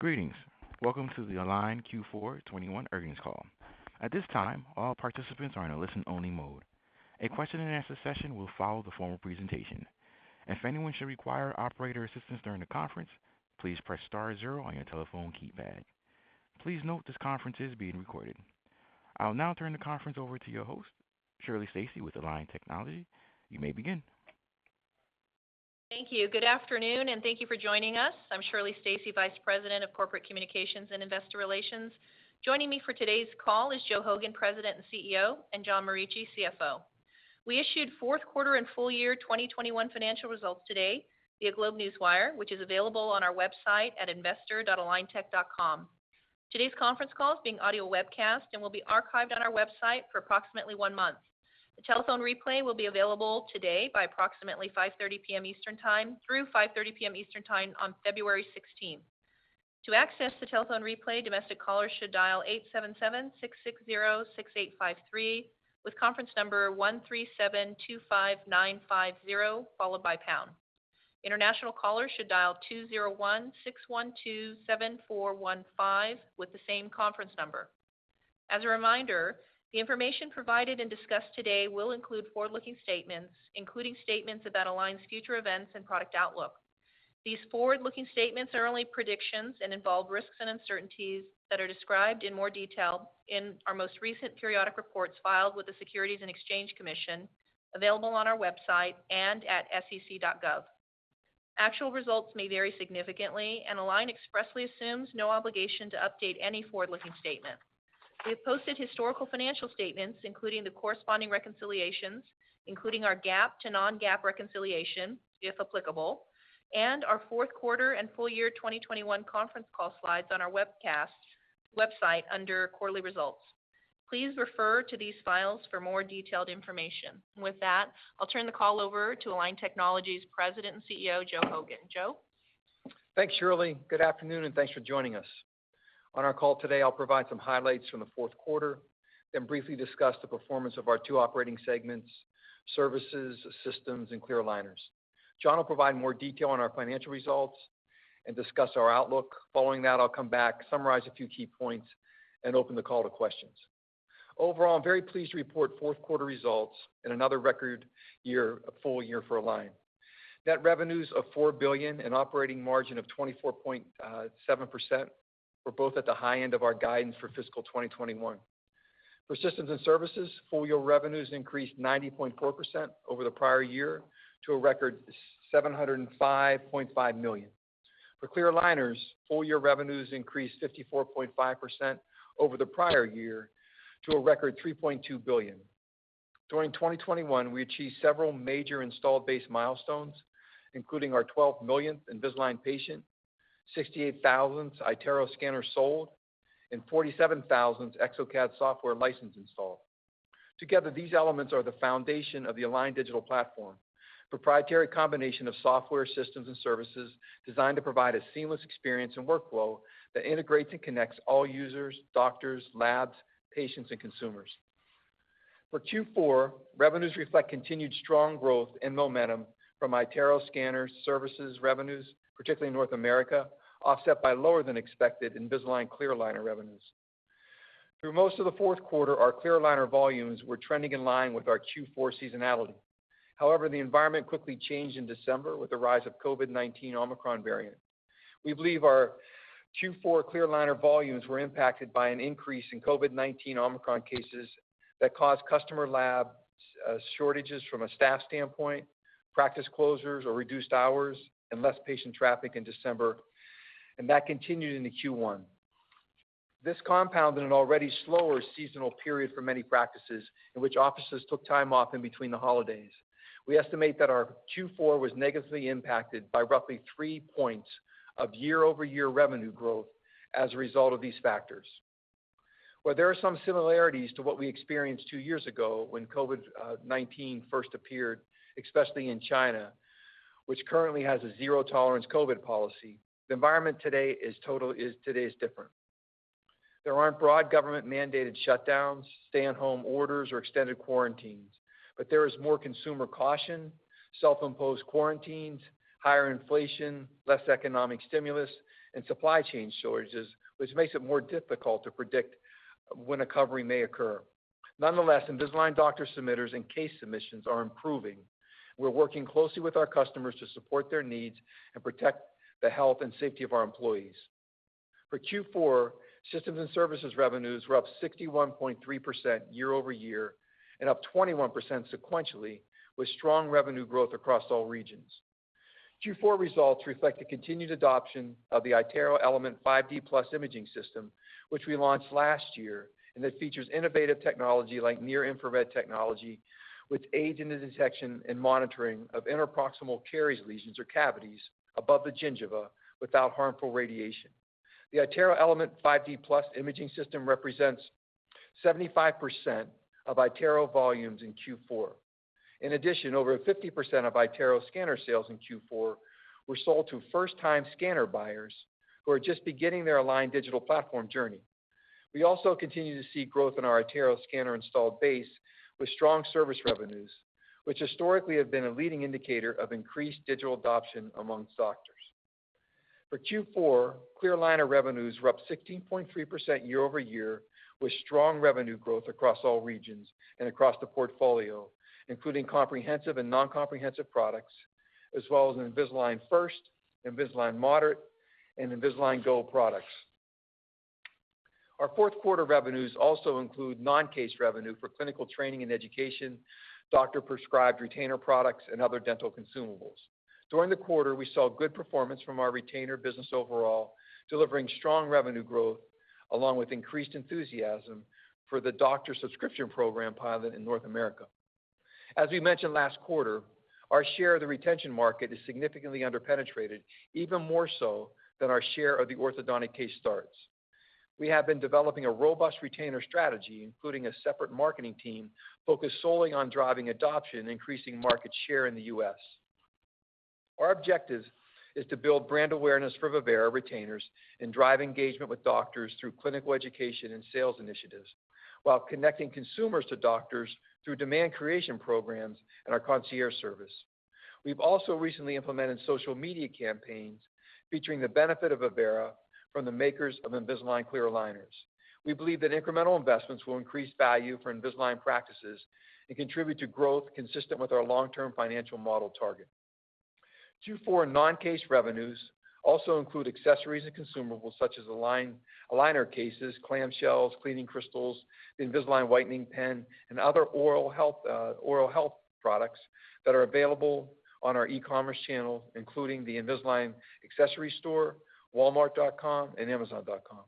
Greetings. Welcome to the Align Q4, 2021 Earnings Call. At this time, all participants are in a listen-only mode. A question-and-answer session will follow the formal presentation. If anyone should require operator assistance during the conference, please press star zero on your telephone keypad. Please note this conference is being recorded. I'll now turn the conference over to your host, Shirley Stacy with Align Technology. You may begin. Thank you. Good afternoon, and thank you for joining us. I'm Shirley Stacy, Vice President of Corporate Communications and Investor Relations. Joining me for today's call is Joe Hogan, President and CEO, and John Morici, CFO. We issued fourth quarter and full year 2021 financial results today via GlobeNewswire, which is available on our website at investor.aligntech.com. Today's conference call is being audio webcast and will be archived on our website for approximately one month. The telephone replay will be available today by approximately 5:30 P.M. Eastern time through 5:30 P.M. Eastern time on 16 February. To access the telephone replay, domestic callers should dial 877-660-6853 with conference number 13725950, followed by pound. International callers should dial 201-612-7415 with the same conference number. As a reminder, the information provided and discussed today will include forward-looking statements including statements about Align's future events and product outlook. These forward-looking statements are only predictions and involve risks and uncertainties that are described in more detail in our most recent periodic reports filed with the Securities and Exchange Commission, available on our website and at sec.gov. Actual results may vary significantly and Align expressly assumes no obligation to update any forward-looking statement. We have posted historical financial statements, including the corresponding reconciliations including our GAAP to non-GAAP reconciliation, if applicable, and our fourth quarter and full year 2021 conference call slides on our website under Quarterly Results. Please refer to these files for more detailed information. With that, I'll turn the call over to Align Technology's President and CEO, Joe Hogan. Joe. Thanks, Shirley. Good afternoon, and thanks for joining us. On our call today, I'll provide some highlights from the fourth quarter then briefly discuss the performance of our two operating segments, services, systems and clear aligners. John will provide more detail on our financial results and discuss our outlook. Following that, I'll come back, summarize a few key points and open the call to questions. Overall, I'm very pleased to report fourth quarter results and another record year, full year for Align. Net revenues of $4 billion and operating margin of 24.7% were both at the high end of our guidance for fiscal 2021. For systems and services, full year revenues increased 90.4% over the prior year to a record $705.5 million. For clear aligners, full year revenues increased 54.5% over the prior year to a record $3.2 billion. During 2021, we achieved several major installed base milestones, including our 12th millionth Invisalign patient, 68,000th iTero scanner sold and 47,000th exocad software license installed. Together, these elements are the foundation of the Align Digital Platform, proprietary combination of software systems and services designed to provide a seamless experience and workflow that integrates and connects all users, doctors, labs, patients and consumers. For Q4, revenues reflect continued strong growth and momentum from iTero scanner services revenues, particularly in North America, offset by lower than expected Invisalign clear aligner revenues. Through most of the fourth quarter, our clear aligner volumes were trending in line with our Q4 seasonality. However, the environment quickly changed in December with the rise of COVID-19 Omicron variant. We believe our Q4 clear aligner volumes were impacted by an increase in COVID-19 Omicron cases that caused customer lab shortages from a staff standpoint, practice closures or reduced hours and less patient traffic in December and that continued into Q1. This compounded an already slower seasonal period for many practices in which offices took time off in between the holidays. We estimate that our Q4 was negatively impacted by roughly three points of year-over-year revenue growth as a result of these factors. Where there are some similarities to what we experienced two years ago when COVID-19 first appeared, especially in China which currently has a zero-tolerance COVID policy, the environment today is different. There aren't broad government-mandated shutdowns, stay-at-home orders or extended quarantines but there is more consumer caution, self-imposed quarantines, higher inflation, less economic stimulus and supply chain shortages which makes it more difficult to predict when a recovery may occur. Nonetheless, Invisalign doctor submitters and case submissions are improving. We're working closely with our customers to support their needs and protect the health and safety of our employees. For Q4, systems and services revenues were up 61.3% year-over-year and up 21% sequentially, with strong revenue growth across all regions. Q4 results reflect the continued adoption of the iTero Element 5D Plus imaging system which we launched last year and that features innovative technology like near-infrared technology which aids in the detection and monitoring of interproximal caries lesions or cavities above the gingiva without harmful radiation. The iTero Element 5D Plus imaging system represents 75% of iTero volumes in Q4. In addition, over 50% of iTero scanner sales in Q4 were sold to first-time scanner buyers who are just beginning their Align Digital Platform journey. We also continue to see growth in our iTero scanner installed base with strong service revenues which historically have been a leading indicator of increased digital adoption among doctors. For Q4, clear aligner revenues were up 16.3% year-over-year with strong revenue growth across all regions and across the portfolio, including comprehensive and non-comprehensive products as well as Invisalign First, Invisalign Moderate, and Invisalign Go products. Our fourth quarter revenues also include non-case revenue for clinical training and education, doctor-prescribed retainer products and other dental consumables. During the quarter, we saw good performance from our retainer business overall, delivering strong revenue growth along with increased enthusiasm for the doctor subscription program pilot in North America. As we mentioned last quarter, our share of the retention market is significantly under-penetrated, even more so than our share of the orthodontic case starts. We have been developing a robust retainer strategy, including a separate marketing team, focused solely on driving adoption and increasing market share in the U.S. Our objective is to build brand awareness for Vivera retainers and drive engagement with doctors through clinical education and sales initiatives, while connecting consumers to doctors through demand creation programs and our concierge service. We've also recently implemented social media campaigns featuring the benefit of Vivera from the makers of Invisalign clear aligners. We believe that incremental investments will increase value for Invisalign practices and contribute to growth consistent with our long-term financial model target. Q4 non-case revenues also include accessories and consumables such as align, aligner cases, clam shells, cleaning crystals, Invisalign whitening pen, and other oral health products that are available on our e-commerce channel, including the Invisalign accessory store, Walmart.com, and Amazon.com.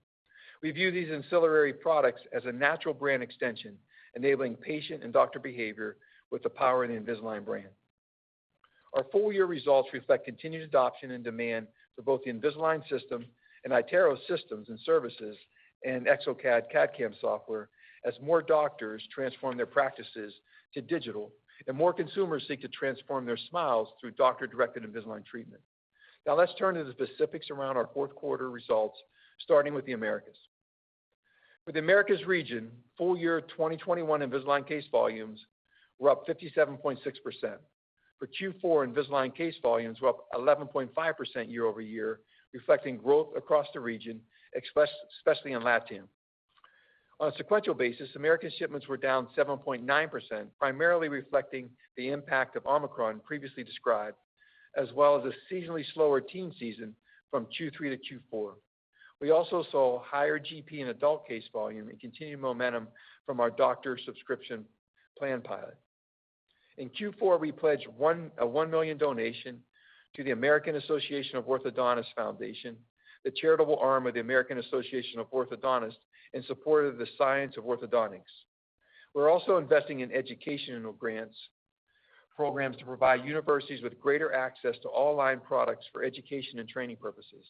We view these ancillary products as a natural brand extension, enabling patient and doctor behaviour with the power of the Invisalign brand. Our full-year results reflect continued adoption and demand for both the Invisalign system and iTero systems and services and exocad CAD/CAM software as more doctors transform their practices to digital, and more consumers seek to transform their smiles through doctor-directed Invisalign treatment. Now let's turn to the specifics around our fourth quarter results, starting with the Americas. For the Americas region, full year 2021 Invisalign case volumes were up 57.6%. For Q4, Invisalign case volumes were up 11.5% year-over-year, reflecting growth across the region, especially in Latin America. On a sequential basis, Americas shipments were down 7.9% primarily reflecting the impact of Omicron previously described, as well as a seasonally slower teen season from Q3 to Q4. We also saw higher GP in adult case volume and continued momentum from our doctor subscription plan pilot. In Q4, we pledged a $1 million donation to the American Association of Orthodontists Foundation, the charitable arm of the American Association of Orthodontists in support of the science of orthodontics. We're also investing in educational grants programs to provide universities with greater access to all Align products for education and training purposes.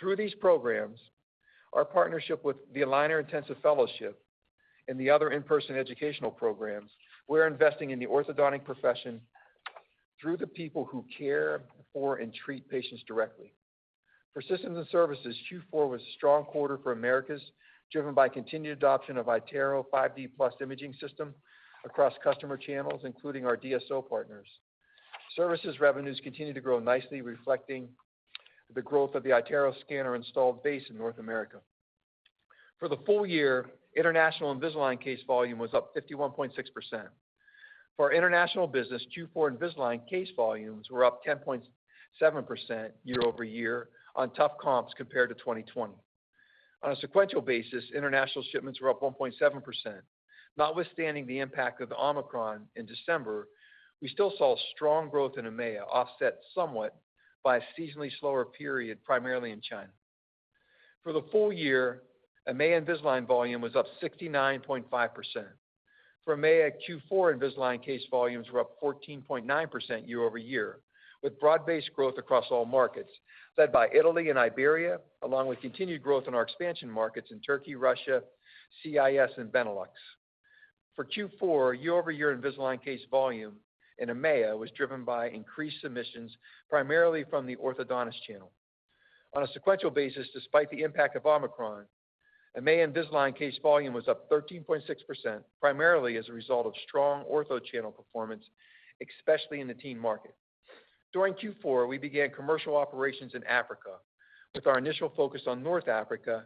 Through these programs, our partnership with the Aligner Intensive Fellowship and the other in-person educational programs, we're investing in the orthodontic profession through the people who care for and treat patients directly. For systems and services, Q4 was a strong quarter for Americas, driven by continued adoption of iTero 5D Plus imaging system across customer channels, including our DSO partners. Services revenues continue to grow nicely, reflecting the growth of the iTero scanner installed base in North America. For the full year, international Invisalign case volume was up 51.6%. For our international business, Q4 Invisalign case volumes were up 10.7% year-over-year on tough comps compared to 2020. On a sequential basis, international shipments were up 1.7%. Notwithstanding the impact of the Omicron in December, we still saw strong growth in EMEA, offset somewhat by a seasonally slower period primarily in China. For the full year, EMEA Invisalign volume was up 69.5%. For EMEA, Q4 Invisalign case volumes were up 14.9% year-over-year with broad-based growth across all markets, led by Italy and Iberia, along with continued growth in our expansion markets in Turkey, Russia, CIS and Benelux. For Q4, year-over-year Invisalign case volume in EMEA was driven by increased submissions primarily from the orthodontist channel. On a sequential basis, despite the impact of Omicron, EMEA Invisalign case volume was up 13.6% primarily as a result of strong ortho channel performance, especially in the teen market. During Q4, we began commercial operations in Africa, with our initial focus on North Africa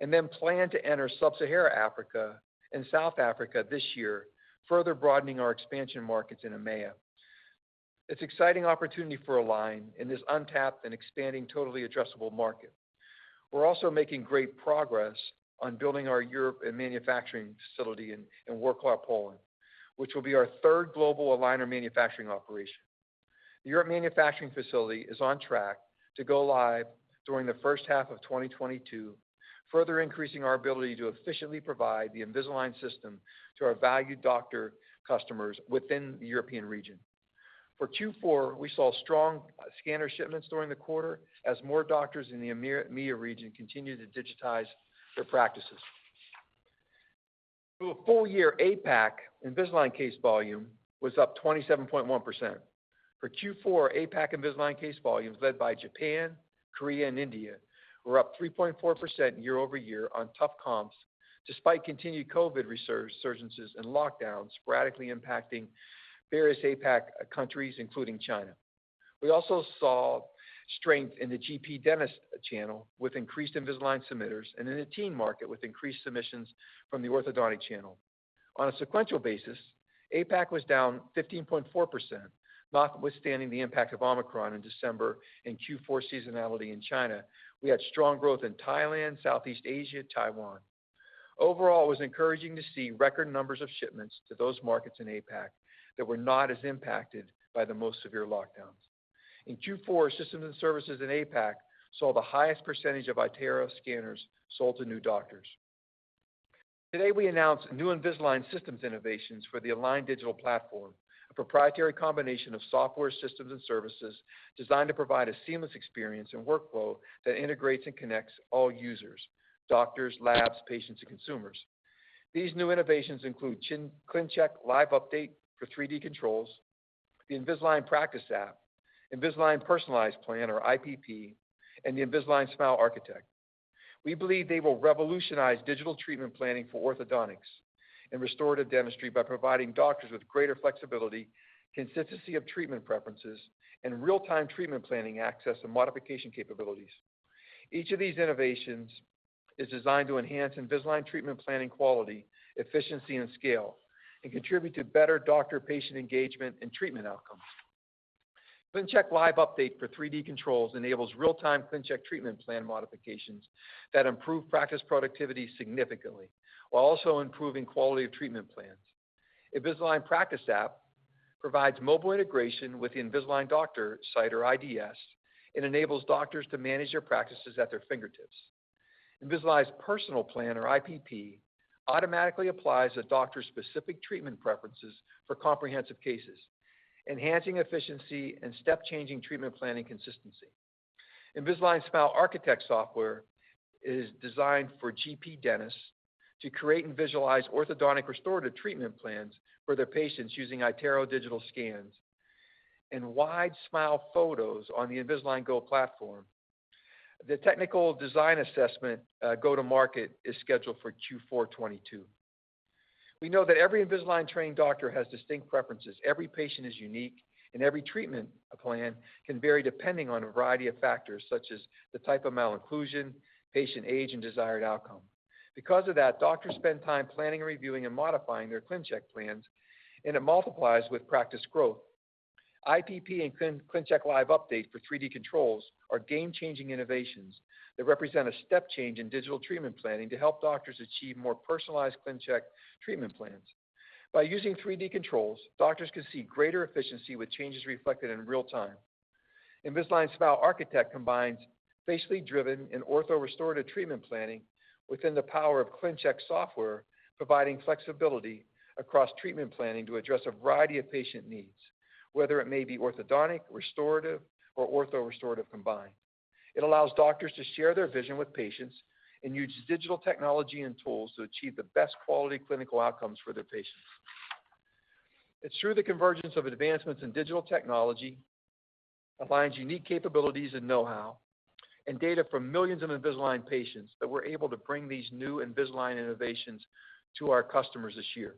and then plan to enter Sub-Sahara Africa and South Africa this year, further broadening our expansion markets in EMEA. It's exciting opportunity for Align in this untapped and expanding totally addressable market. We're also making great progress on building our Europe manufacturing facility in Wrocław, Poland, which will be our third global aligner manufacturing operation. The Europe manufacturing facility is on track to go live during the first half of 2022, further increasing our ability to efficiently provide the Invisalign system to our valued doctor customers within the European region. For Q4, we saw strong scanner shipments during the quarter as more doctors in the EMEA region continue to digitize their practices. Through a full year, APAC Invisalign case volume was up 27.1%. For Q4, APAC Invisalign case volumes led by Japan, Korea, and India were up 3.4% year-over-year on tough comps despite continued COVID resurges, surgences, and lockdowns sporadically impacting various APAC countries, including China. We also saw strength in the GP dentist channel with increased Invisalign submitters and in the teen market with increased submissions from the orthodontic channel. On a sequential basis, APAC was down 15.4%, notwithstanding the impact of Omicron in December and Q4 seasonality in China. We had strong growth in Thailand, Southeast Asia, Taiwan. Overall, it was encouraging to see record numbers of shipments to those markets in APAC that were not as impacted by the most severe lockdowns. In Q4, systems and services in APAC saw the highest percentage of iTero scanners sold to new doctors. Today, we announced new Invisalign system innovations for the Align Digital Platform, a proprietary combination of software systems and services designed to provide a seamless experience and workflow that integrates and connects all users, doctors, labs, patients, and consumers. These new innovations include ClinCheck Live Update for 3D controls, the Invisalign Practice App, Invisalign Personalized Plan or IPP, and the Invisalign Smile Architect. We believe they will revolutionize digital treatment planning for orthodontics and restorative dentistry by providing doctors with greater flexibility, consistency of treatment preferences and real-time treatment planning access and modification capabilities. Each of these innovations is designed to enhance Invisalign treatment planning quality, efficiency, and scale, and contribute to better doctor-patient engagement and treatment outcomes. ClinCheck Live Update for 3D controls enables real-time ClinCheck treatment plan modifications that improve practice productivity significantly while also improving quality of treatment plans. Invisalign Practice App provides mobile integration with the Invisalign Doctor Site or IDS and enables doctors to manage their practices at their fingertips. Invisalign's Personalized Plan or IPP automatically applies a doctor's specific treatment preferences for comprehensive cases, enhancing efficiency and step-changing treatment planning consistency. Invisalign Smile Architect software is designed for GP dentists to create and visualize orthodontic restorative treatment plans for their patients using iTero digital scans and wide smile photos on the Invisalign Gold platform. The technical design assessment, go-to-market is scheduled for Q4, 2022. We know that every Invisalign-trained doctor has distinct preferences. Every patient is unique, and every treatment plan can vary depending on a variety of factors such as the type of malocclusion, patient age, and desired outcome. Because of that, doctors spend time planning, reviewing, and modifying their ClinCheck plans, and it multiplies with practice growth. IPP and ClinCheck Live Update for 3D controls are game-changing innovations that represent a step change in digital treatment planning to help doctors achieve more personalized ClinCheck treatment plans. By using 3D controls, doctors can see greater efficiency with changes reflected in real time. Invisalign Smile Architect combines facially driven and ortho-restorative treatment planning within the power of ClinCheck software, providing flexibility across treatment planning to address a variety of patient needs whether it may be orthodontic, restorative, or ortho-restorative combined. It allows doctors to share their vision with patients and use digital technology and tools to achieve the best quality clinical outcomes for their patients. It's through the convergence of advancements in digital technology, Align's unique capabilities and know-how, and data from millions of Invisalign patients that we're able to bring these new Invisalign innovations to our customers this year.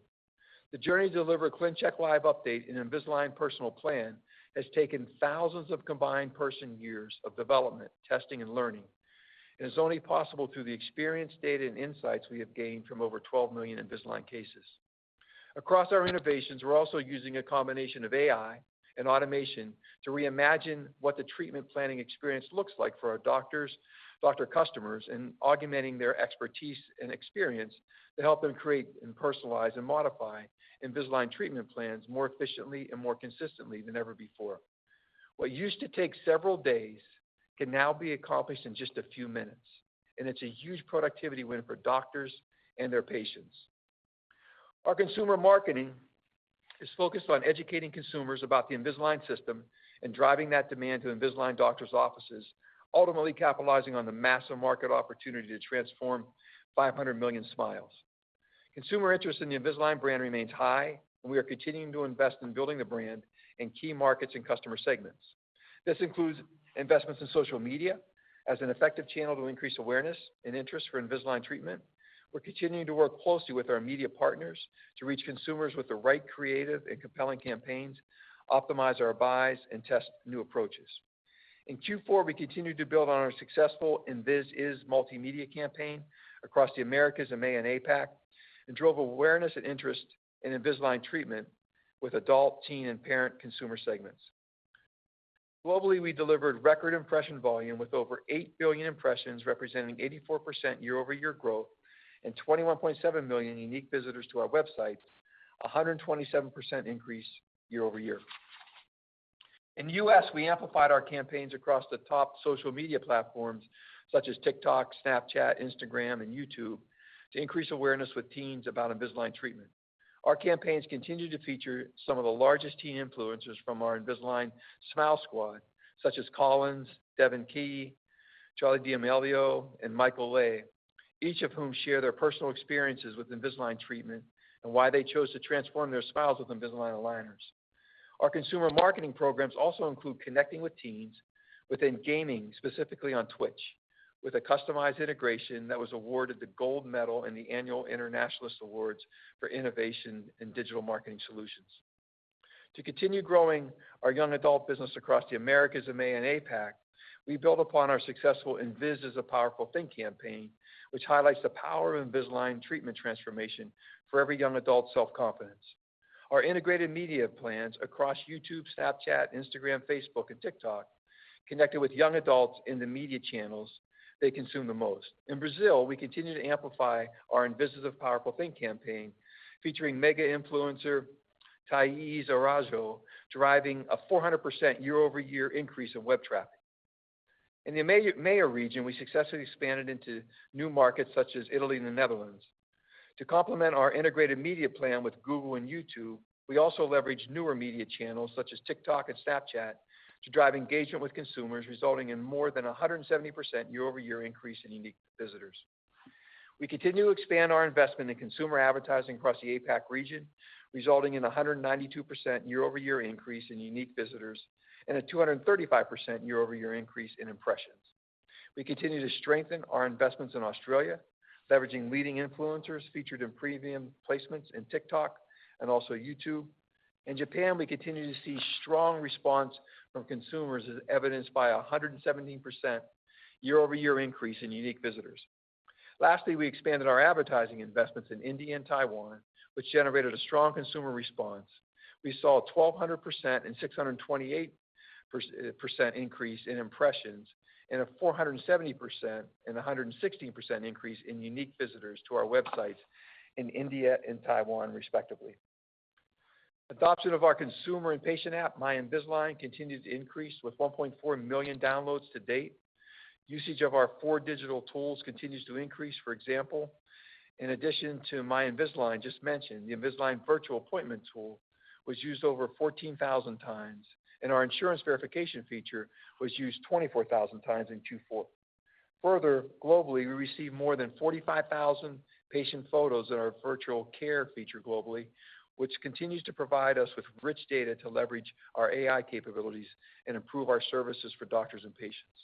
The journey to deliver ClinCheck Live Update and Invisalign Personalized Plan has taken thousands of combined person years of development, testing, and learning and is only possible through the experience, data, and insights we have gained from over 12 million Invisalign cases. Across our innovations, we're also using a combination of AI and automation to reimagine what the treatment planning experience looks like for our doctors, doctor customers, and augmenting their expertise and experience to help them create and personalize and modify Invisalign treatment plans more efficiently and more consistently than ever before. What used to take several days can now be accomplished in just a few minutes, and it's a huge productivity win for doctors and their patients. Our consumer marketing is focused on educating consumers about the Invisalign system and driving that demand to Invisalign doctors' offices, ultimately capitalizing on the massive market opportunity to transform 500 million smiles. Consumer interest in the Invisalign brand remains high, and we are continuing to invest in building the brand in key markets and customer segments. This includes investments in social media as an effective channel to increase awareness and interest for Invisalign treatment. We're continuing to work closely with our media partners to reach consumers with the right creative and compelling campaigns, optimize our buys and test new approaches. In Q4, we continued to build on our successful Invis Is multimedia campaign across the Americas and EMEA and APAC, and drove awareness and interest in Invisalign treatment with adult, teen, and parent consumer segments. Globally, we delivered record impression volume with over 8 billion impressions representing 84% year-over-year growth and 21.7 million unique visitors to our website, a 127% increase year over year. In U.S., we amplified our campaigns across the top social media platforms such as TikTok, Snapchat, Instagram, and YouTube to increase awareness with teens about Invisalign treatment. Our campaigns continue to feature some of the largest teen influencers from our Invisalign Smile Squad, such as Collins, Devan Key, Charli D'Amelio, and Michael Le, each of whom share their personal experiences with Invisalign treatment and why they chose to transform their smiles with Invisalign aligners. Our consumer marketing programs also include connecting with teens within gaming, specifically on Twitch with a customized integration that was awarded the gold medal in the annual Internationalist Awards for innovation in digital marketing solutions. To continue growing our young adult business across the Americas and APAC, we build upon our successful Invisalign is a Powerful Thing campaign, which highlights the power of Invisalign treatment transformation for every young adult's self-confidence. Our integrated media plans across YouTube, Snapchat, Instagram, Facebook, and TikTok connected with young adults in the media channels they consume the most. In Brazil, we continue to amplify our Invisalign is a Powerful Thing campaign, featuring mega influencer, Taís Araújo, driving a 400% year-over-year increase in web traffic. In the EMEA region, we successfully expanded into new markets such as Italy and the Netherlands. To complement our integrated media plan with Google and YouTube, we also leveraged newer media channels such as TikTok and Snapchat, to drive engagement with consumers, resulting in more than a 170% year-over-year increase in unique visitors. We continue to expand our investment in consumer advertising across the APAC region, resulting in a 192% year-over-year increase in unique visitors and a 235% year-over-year increase in impressions. We continue to strengthen our investments in Australia, leveraging leading influencers featured in premium placements in TikTok and also YouTube. In Japan, we continue to see strong response from consumers, as evidenced by a 117% year-over-year increase in unique visitors. Lastly, we expanded our advertising investments in India and Taiwan which generated a strong consumer response. We saw a 1200% and 628% increase in impressions and a 470% and 116% increase in unique visitors to our websites in India and Taiwan, respectively. Adoption of our consumer and patient app, My Invisalign, continued to increase with 1.4 million downloads to date. Usage of our four digital tools continues to increase. For example, in addition to My Invisalign just mentioned, the Invisalign virtual appointment tool was used over 14,000 times and our insurance verification feature was used 24,000 times in Q4. Further, globally, we received more than 45,000 patient photos in our virtual care feature globally, which continues to provide us with rich data to leverage our AI capabilities and improve our services for doctors and patients.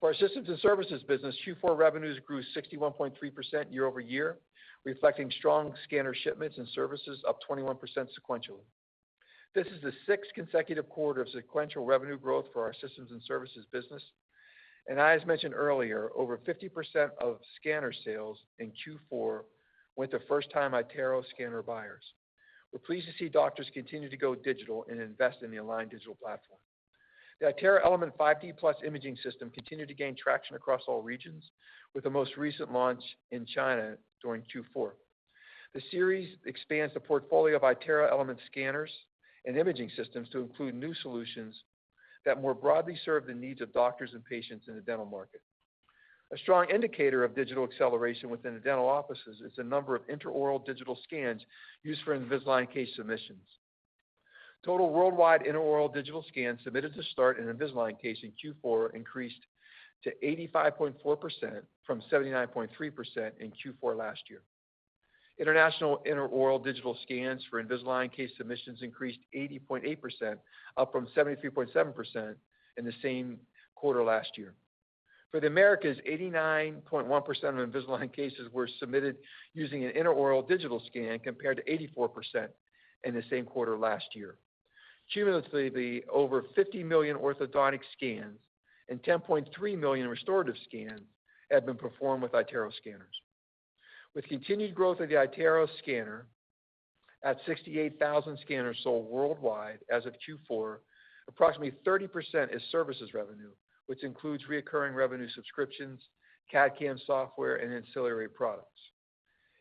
For our systems and services business, Q4 revenues grew 61.3% year-over-year, reflecting strong scanner shipments and services up 21% sequentially. This is the sixth consecutive quarter of sequential revenue growth for our systems and services business. As mentioned earlier, over 50% of scanner sales in Q4 went to first-time iTero scanner buyers. We're pleased to see doctors continue to go digital and invest in the Align Digital Platform. The iTero Element 5D Plus imaging system continued to gain traction across all regions, with the most recent launch in China during Q4. The series expands the portfolio of iTero Element scanners and imaging systems to include new solutions that more broadly serve the needs of doctors and patients in the dental market. A strong indicator of digital acceleration within the dental offices is the number of intraoral digital scans used for Invisalign case submissions. Total worldwide intraoral digital scans submitted to start an Invisalign case in Q4 increased to 85.4% from 79.3% in Q4 last year. International intraoral digital scans for Invisalign case submissions increased 80.8%, up from 73.7% in the same quarter last year. For the Americas, 89.1% of Invisalign cases were submitted using an intraoral digital scan compared to 84% in the same quarter last year. Cumulatively, over 50 million orthodontic scans and 10.3 million restorative scans have been performed with iTero scanners. With continued growth of the iTero scanner at 68,000 scanners sold worldwide as of Q4, approximately 30% is services revenue which includes recurring revenue subscriptions, CAD/CAM software, and ancillary products.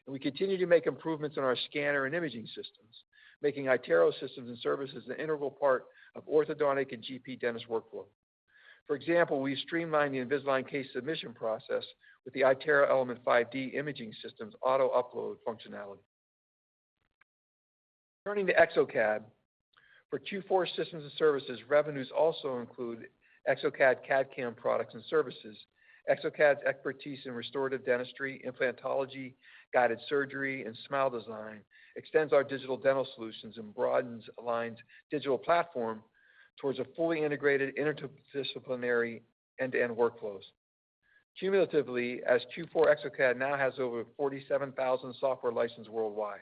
We continue to make improvements in our scanner and imaging systems, making iTero systems and services an integral part of orthodontic and GP dentist workflow. For example, we streamlined the Invisalign case submission process with the iTero Element 5D imaging system's auto-upload functionality. Turning to exocad, for Q4 systems and services, revenues also include exocad CAD/CAM products and services. exocad's expertise in restorative dentistry, implantology, guided surgery, and smile design extends our digital dental solutions and broadens Align's digital platform towards a fully integrated interdisciplinary end-to-end workflows. Cumulatively, as of Q4, exocad now has over 47,000 software licenses worldwide.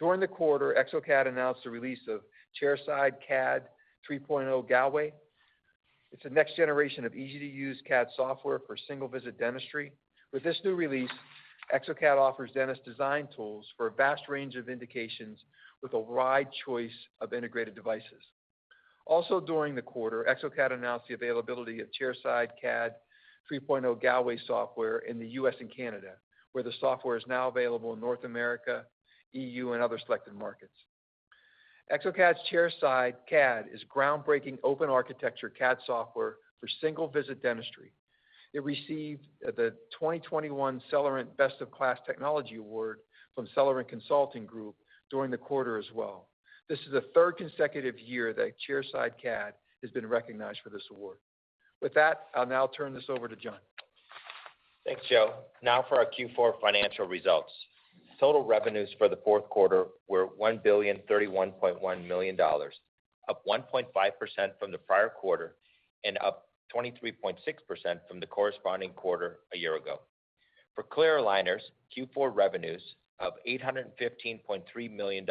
During the quarter, exocad announced the release of ChairsideCAD 3.0 Galway. It's the next generation of easy-to-use CAD software for single-visit dentistry. With this new release, exocad offers dentist design tools for a vast range of indications with a wide choice of integrated devices. Also, during the quarter, exocad announced the availability of ChairsideCAD 3.0 Galway software in the U.S. and Canada, where the software is now available in North America, EU, and other selected markets. exocad's ChairsideCAD is groundbreaking open-architecture CAD software for single-visit dentistry. It received the 2021 Cellerant Best of Class Technology Award from Cellerant Consulting Group during the quarter as well. This is the third consecutive year that ChairsideCAD has been recognized for this award. With that, I'll now turn this over to John. Thanks, Joe. Now for our Q4 financial results. Total revenues for the fourth quarter were $1.031 billion, up 1.5% from the prior quarter and up 23.6% from the corresponding quarter a year ago. For clear aligners, Q4 revenues of $815.3 million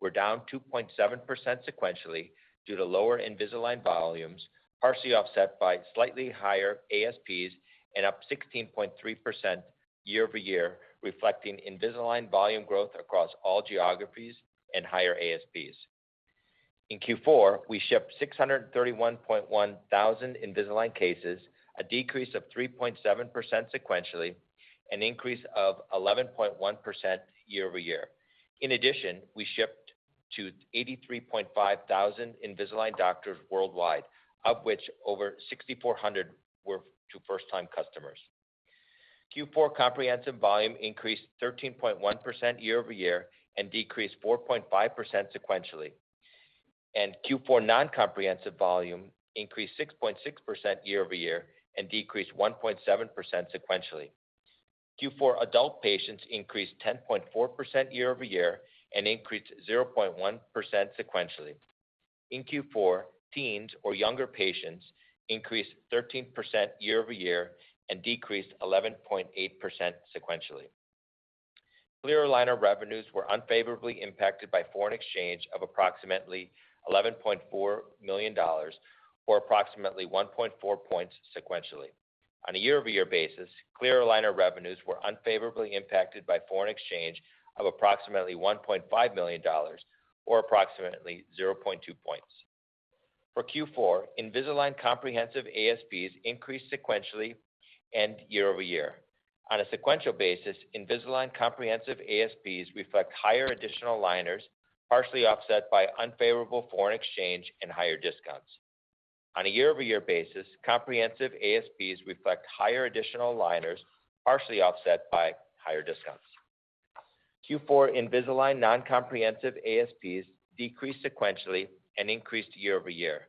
were down 2.7% sequentially due to lower Invisalign volumes, partially offset by slightly higher ASPs and up 16.3% year-over-year, reflecting Invisalign volume growth across all geographies and higher ASPs. In Q4, we shipped 631.1 thousand Invisalign cases, a decrease of 3.7% sequentially, an increase of 11.1% year-over-year. In addition, we shipped to 83.5 thousand Invisalign doctors worldwide, of which over 6,400 were to first-time customers. Q4 comprehensive volume increased 13.1% year-over-year and decreased 4.5% sequentially, and Q4 non-comprehensive volume increased 6.6% year-over-year and decreased 1.7% sequentially. Q4 adult patients increased 10.4% year-over-year and increased 0.1% sequentially. In Q4, teens or younger patients increased 13% year-over-year and decreased 11.8% sequentially. Clear aligner revenues were unfavorably impacted by foreign exchange of approximately $11.4 million or approximately 1.4% points sequentially. On a year-over-year basis, clear aligner revenues were unfavorably impacted by foreign exchange of approximately $1.5 million or approximately 0.2% points. For Q4, Invisalign comprehensive ASPs increased sequentially and year-over-year. On a sequential basis, Invisalign comprehensive ASPs reflect higher additional aligners, partially offset by unfavorable foreign exchange and higher discounts. On a year-over-year basis, comprehensive ASPs reflect higher additional aligners, partially offset by higher discounts. Q4 Invisalign non-comprehensive ASPs decreased sequentially and increased year-over-year.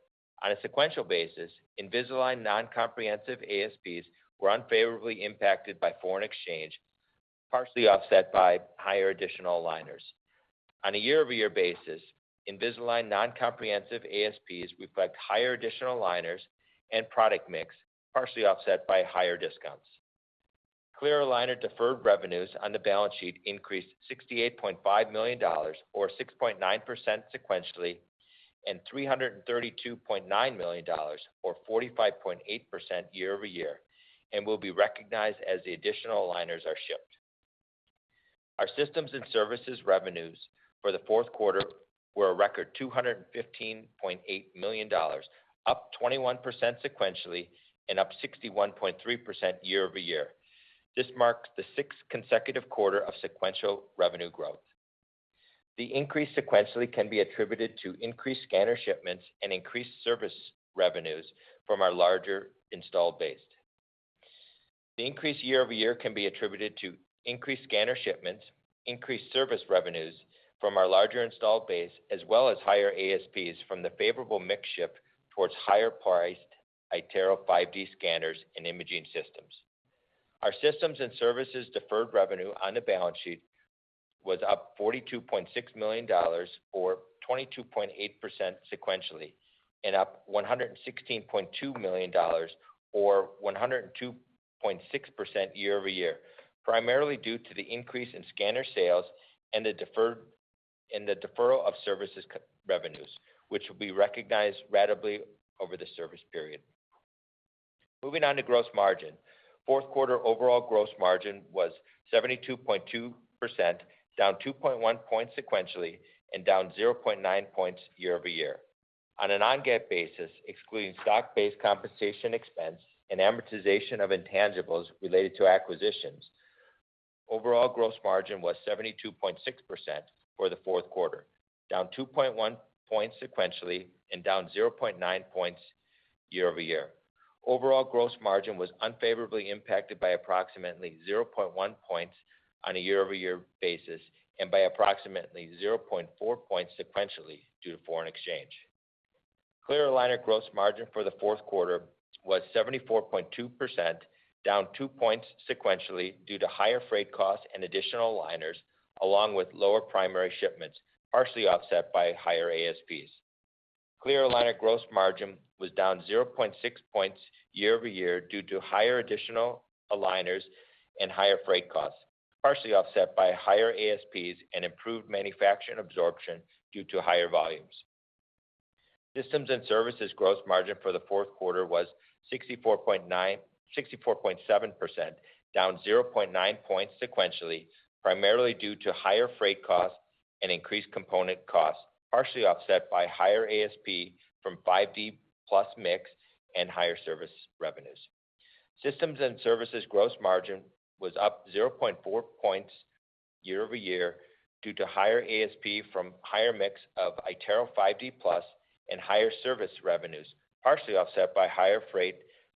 On a sequential basis, Invisalign non-comprehensive ASPs were unfavorably impacted by foreign exchange, partially offset by higher additional aligners. On a year-over-year basis, Invisalign non-comprehensive ASPs reflect higher additional aligners and product mix, partially offset by higher discounts. Clear aligner deferred revenues on the balance sheet increased $68.5 million or 6.9% sequentially and $332.9 million or 45.8% year-over-year, and will be recognized as the additional aligners are shipped. Our systems and services revenues for the fourth quarter were a record $215.8 million, up 21% sequentially and up 61.3% year-over-year. This marks the 6th consecutive quarter of sequential revenue growth. The increase sequentially can be attributed to increased scanner shipments and increased service revenues from our larger installed base. The increase year-over-year can be attributed to increased scanner shipments, increased service revenues from our larger installed base, as well as higher ASPs from the favorable mix shift towards higher priced iTero 5D scanners and imaging systems. Our systems and services deferred revenue on the balance sheet was up $42.6 million or 22.8% sequentially, and up $116.2 million or 102.6% year-over-year, primarily due to the increase in scanner sales and the deferral of services revenues which will be recognized rateably over the service period. Moving on to gross margin. Fourth quarter overall gross margin was 72.2%, down 2.1% points sequentially and down 0.9% points year-over-year. On a non-GAAP basis, excluding stock-based compensation expense and amortization of intangibles related to acquisitions, overall gross margin was 72.6% for the fourth quarter, down 2.1% points sequentially and down 0.9% points year-over-year. Overall gross margin was unfavorably impacted by approximately 0.1% points on a year-over-year basis and by approximately 0.4% points sequentially due to foreign exchange. Clear Aligner gross margin for the fourth quarter was 74.2%, down 2% points sequentially due to higher freight costs and additional aligners, along with lower primary shipments, partially offset by higher ASPs. Clear aligner gross margin was down 0.6% points year-over-year due to higher additional aligners and higher freight costs, partially offset by higher ASPs and improved manufacturing absorption due to higher volumes. Systems and services gross margin for the fourth quarter was 64.7%, down 0.9% points sequentially, primarily due to higher freight costs and increased component costs, partially offset by higher ASP from 5D Plus mix and higher service revenues. Systems and services gross margin was up 0.4% points year-over-year due to higher ASP from higher mix of iTero 5D Plus and higher service revenues, partially offset by higher freight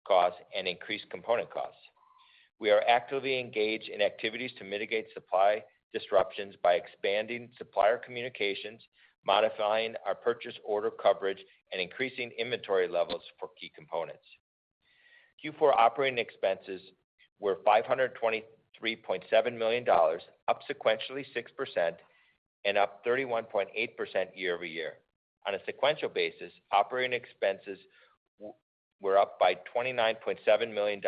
costs and increased component costs. We are actively engaged in activities to mitigate supply disruptions by expanding supplier communications, modifying our purchase order coverage, and increasing inventory levels for key components. Q4 operating expenses were $523.7 million, up sequentially 6% and up 31.8% year-over-year. On a sequential basis, operating expenses were up by $29.7 million.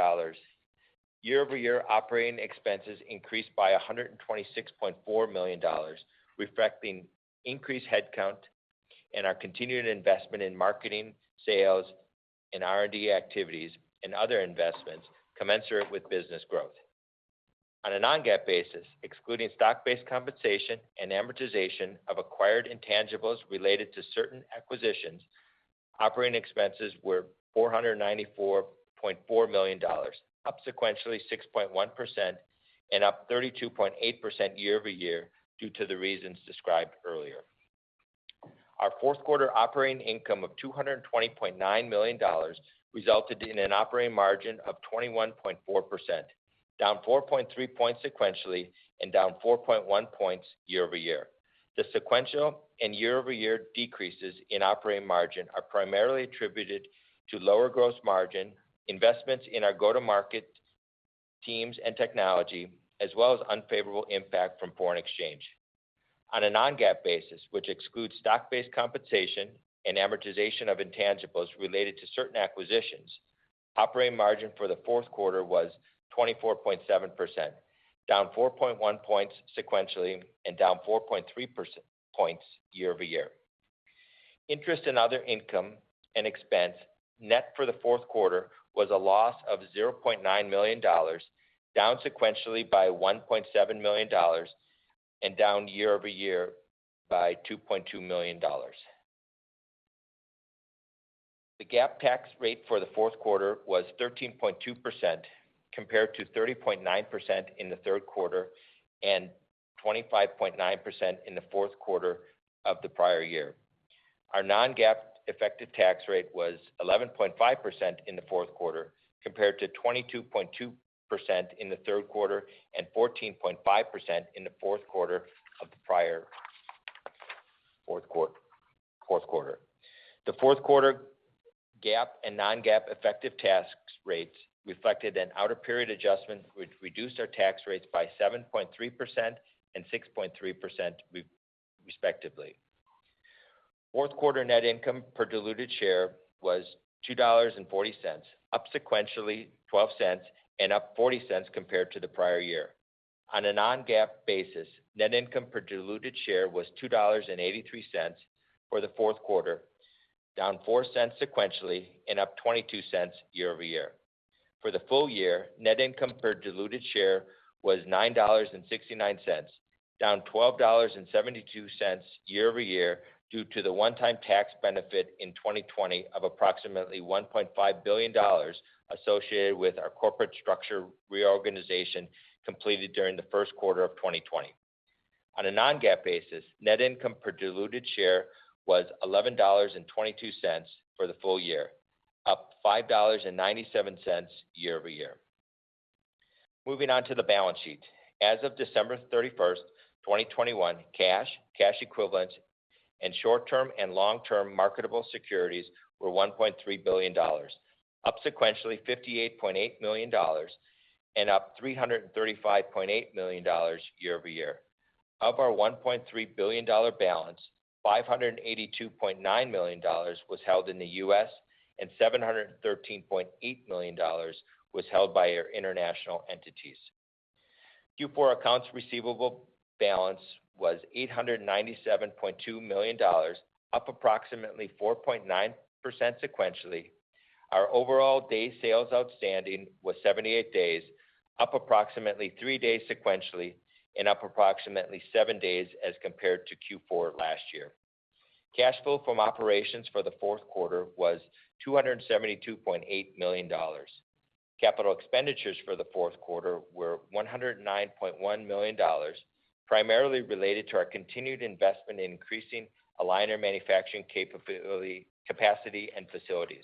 Year-over-year operating expenses increased by $126.4 million, reflecting increased headcount and our continued investment in marketing, sales and R&D activities, and other investments commensurate with business growth. On a non-GAAP basis, excluding stock-based compensation and amortization of acquired intangibles related to certain acquisitions, operating expenses were $494.4 million, up sequentially 6.1% and up 32.8% year-over-year due to the reasons described earlier. Our fourth quarter operating income of $220.9 million resulted in an operating margin of 21.4%, down 4.3% points sequentially and down 4.1% points year-over-year. The sequential and year-over-year decreases in operating margin are primarily attributed to lower gross margin, investments in our go-to-market teams and technology, as well as unfavorable impact from foreign exchange. On a non-GAAP basis, which excludes stock-based compensation and amortization of intangibles related to certain acquisitions, operating margin for the fourth quarter was 24.7%, down four point one points sequentially and down 4.3% points year-over-year. Interest and other income and expense net for the fourth quarter was a loss of $0.9 million, down sequentially by $1.7 million and down year-over-year by $2.2 million. The GAAP tax rate for the fourth quarter was 13.2%, compared to 30.9% in the third quarter and 25.9% in the fourth quarter of the prior year. Our non-GAAP effective tax rate was 11.5% in the fourth quarter, compared to 22.2% in the third quarter and 14.5% in the fourth quarter of the prior year. The fourth quarter GAAP and non-GAAP effective tax rates reflected an out-of-period adjustment which reduced our tax rates by 7.3% and 6.3% respectively. Fourth quarter net income per diluted share was $2.40, up sequentially $0.12 and up $0.40 compared to the prior year. On a non-GAAP basis, net income per diluted share was $2.83 for the fourth quarter, down $0.04 sequentially and up $0.22 year-over-year. For the full year, net income per diluted share was $9.69, down $12.72 year-over-year due to the one-time tax benefit in 2020 of approximately $1.5 billion associated with our corporate structure reorganization completed during the first quarter of 2020. On a non-GAAP basis, net income per diluted share was $11.22 for the full year, up $5.97 year-over-year. Moving on to the balance sheet. As of December 31, 2021, cash equivalents, and short-term and long-term marketable securities were $1.3 billion, up sequentially $58.8 million and up $335.8 million year-over-year. Of our $1.3 billion balance, $582.9 million was held in the U.S. and $713.8 million was held by our international entities. Q4 accounts receivable balance was $897.2 million, up approximately 4.9% sequentially. Our overall days sales outstanding was 78 days, up approximately three days sequentially, and up approximately seven days as compared to Q4 last year. Cash flow from operations for the fourth quarter was $272.8 million. Capital expenditures for the fourth quarter were $109.1 million, primarily related to our continued investment in increasing aligner manufacturing capacity and facilities.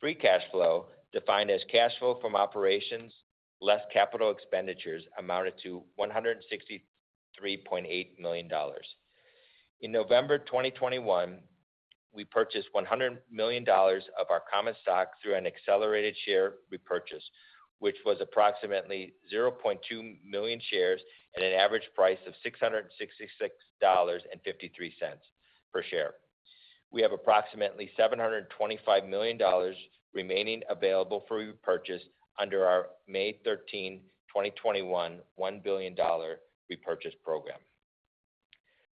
Free cash flow, defined as cash flow from operations less capital expenditures, amounted to $163.8 million. In November 2021, we purchased $100 million of our common stock through an accelerated share repurchase which was approximately 0.2 million shares at an average price of $666.53 per share. We have approximately $725 million remaining available for repurchase under our 13 May 2021, $1 billion repurchase program.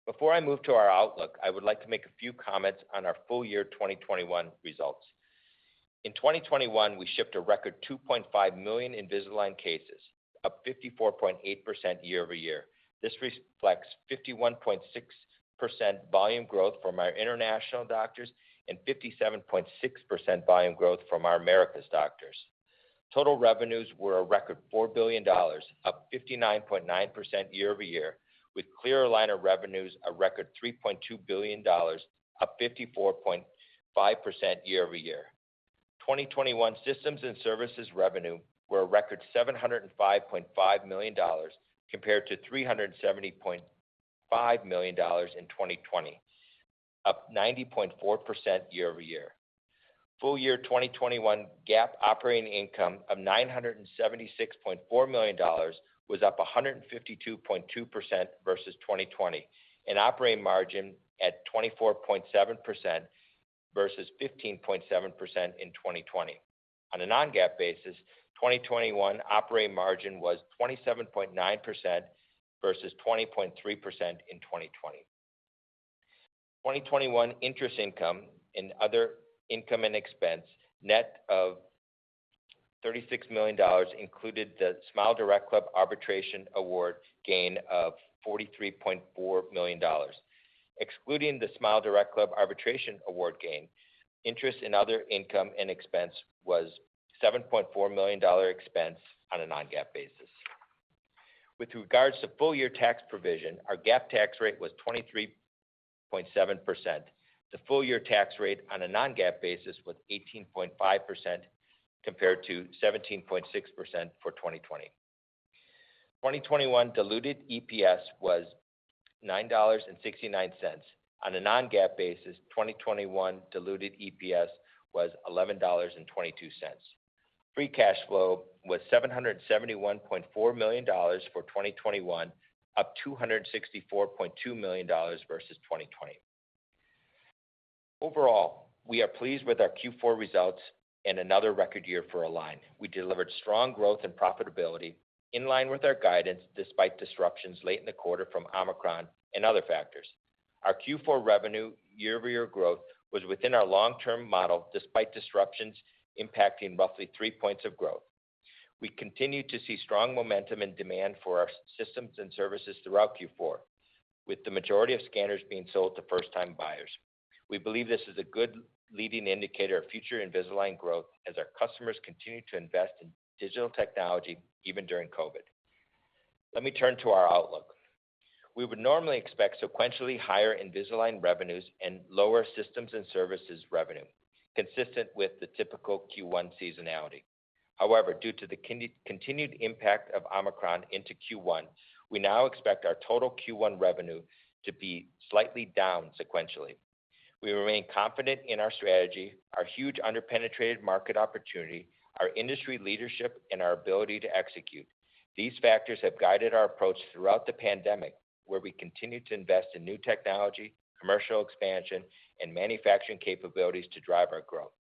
Before I move to our outlook, I would like to make a few comments on our full year 2021 results. In 2021, we shipped a record 2.5 million Invisalign cases, up 54.8% year-over-year. This reflects 51.6% volume growth from our international doctors and 57.6% volume growth from our Americas doctors. Total revenues were a record $4 billion, up 59.9% year-over-year, with clear aligner revenues, a record $3.2 billion, up 54.5% year-over-year. 2021 systems and services revenue were a record $705.5 million compared to $370.5 million in 2020 up 90.4% year-over-year. Full year 2021 GAAP operating income of $976.4 million was up 152.2% versus 2020, and operating margin at 24.7% versus 15.7% in 2020. On a non-GAAP basis, 2021 operating margin was 27.9% versus 20.3% in 2020. 2021 interest income and other income and expense, net of $36 million, included the SmileDirectClub arbitration award gain of $43.4 million. Excluding the SmileDirectClub arbitration award gain, interest in other income and expense was $7.4 million dollar expense on a non-GAAP basis. With regards to full year tax provision, our GAAP tax rate was 23.7%. The full-year tax rate on a non-GAAP basis was 18.5% compared to 17.6% for 2020. 2021 diluted EPS was $9.69. On a non-GAAP basis, 2021 diluted EPS was $11.22. Free cash flow was $771.4 million for 2021, up $264.2 million versus 2020. Overall, we are pleased with our Q4 results and another record year for Align. We delivered strong growth and profitability in line with our guidance despite disruptions late in the quarter from Omicron and other factors. Our Q4 revenue year-over-year growth was within our long-term model, despite disruptions impacting roughly 3% points of growth. We continue to see strong momentum and demand for our systems and services throughout Q4, with the majority of scanners being sold to first time buyers. We believe this is a good leading indicator of future Invisalign growth as our customers continue to invest in digital technology even during COVID. Let me turn to our outlook. We would normally expect sequentially higher Invisalign revenues and lower systems and services revenue, consistent with the typical Q1 seasonality. However, due to the continued impact of Omicron into Q1, we now expect our total Q1 revenue to be slightly down sequentially. We remain confident in our strategy, our huge underpenetrated market opportunity, our industry leadership, and our ability to execute. These factors have guided our approach throughout the pandemic, where we continue to invest in new technology, commercial expansion, and manufacturing capabilities to drive our growth.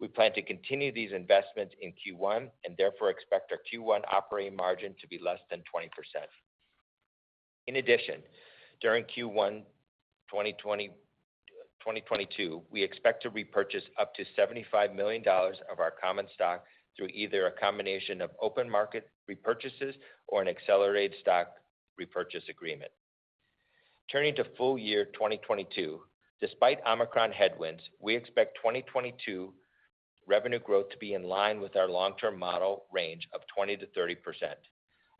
We plan to continue these investments in Q1 and therefore expect our Q1 operating margin to be less than 20%. In addition, during Q1 2022, we expect to repurchase up to $75 million of our common stock through either a combination of open market repurchases or an accelerated stock repurchase agreement. Turning to full year 2022, despite Omicron headwinds, we expect 2022 revenue growth to be in line with our long term model range of 20%-30%.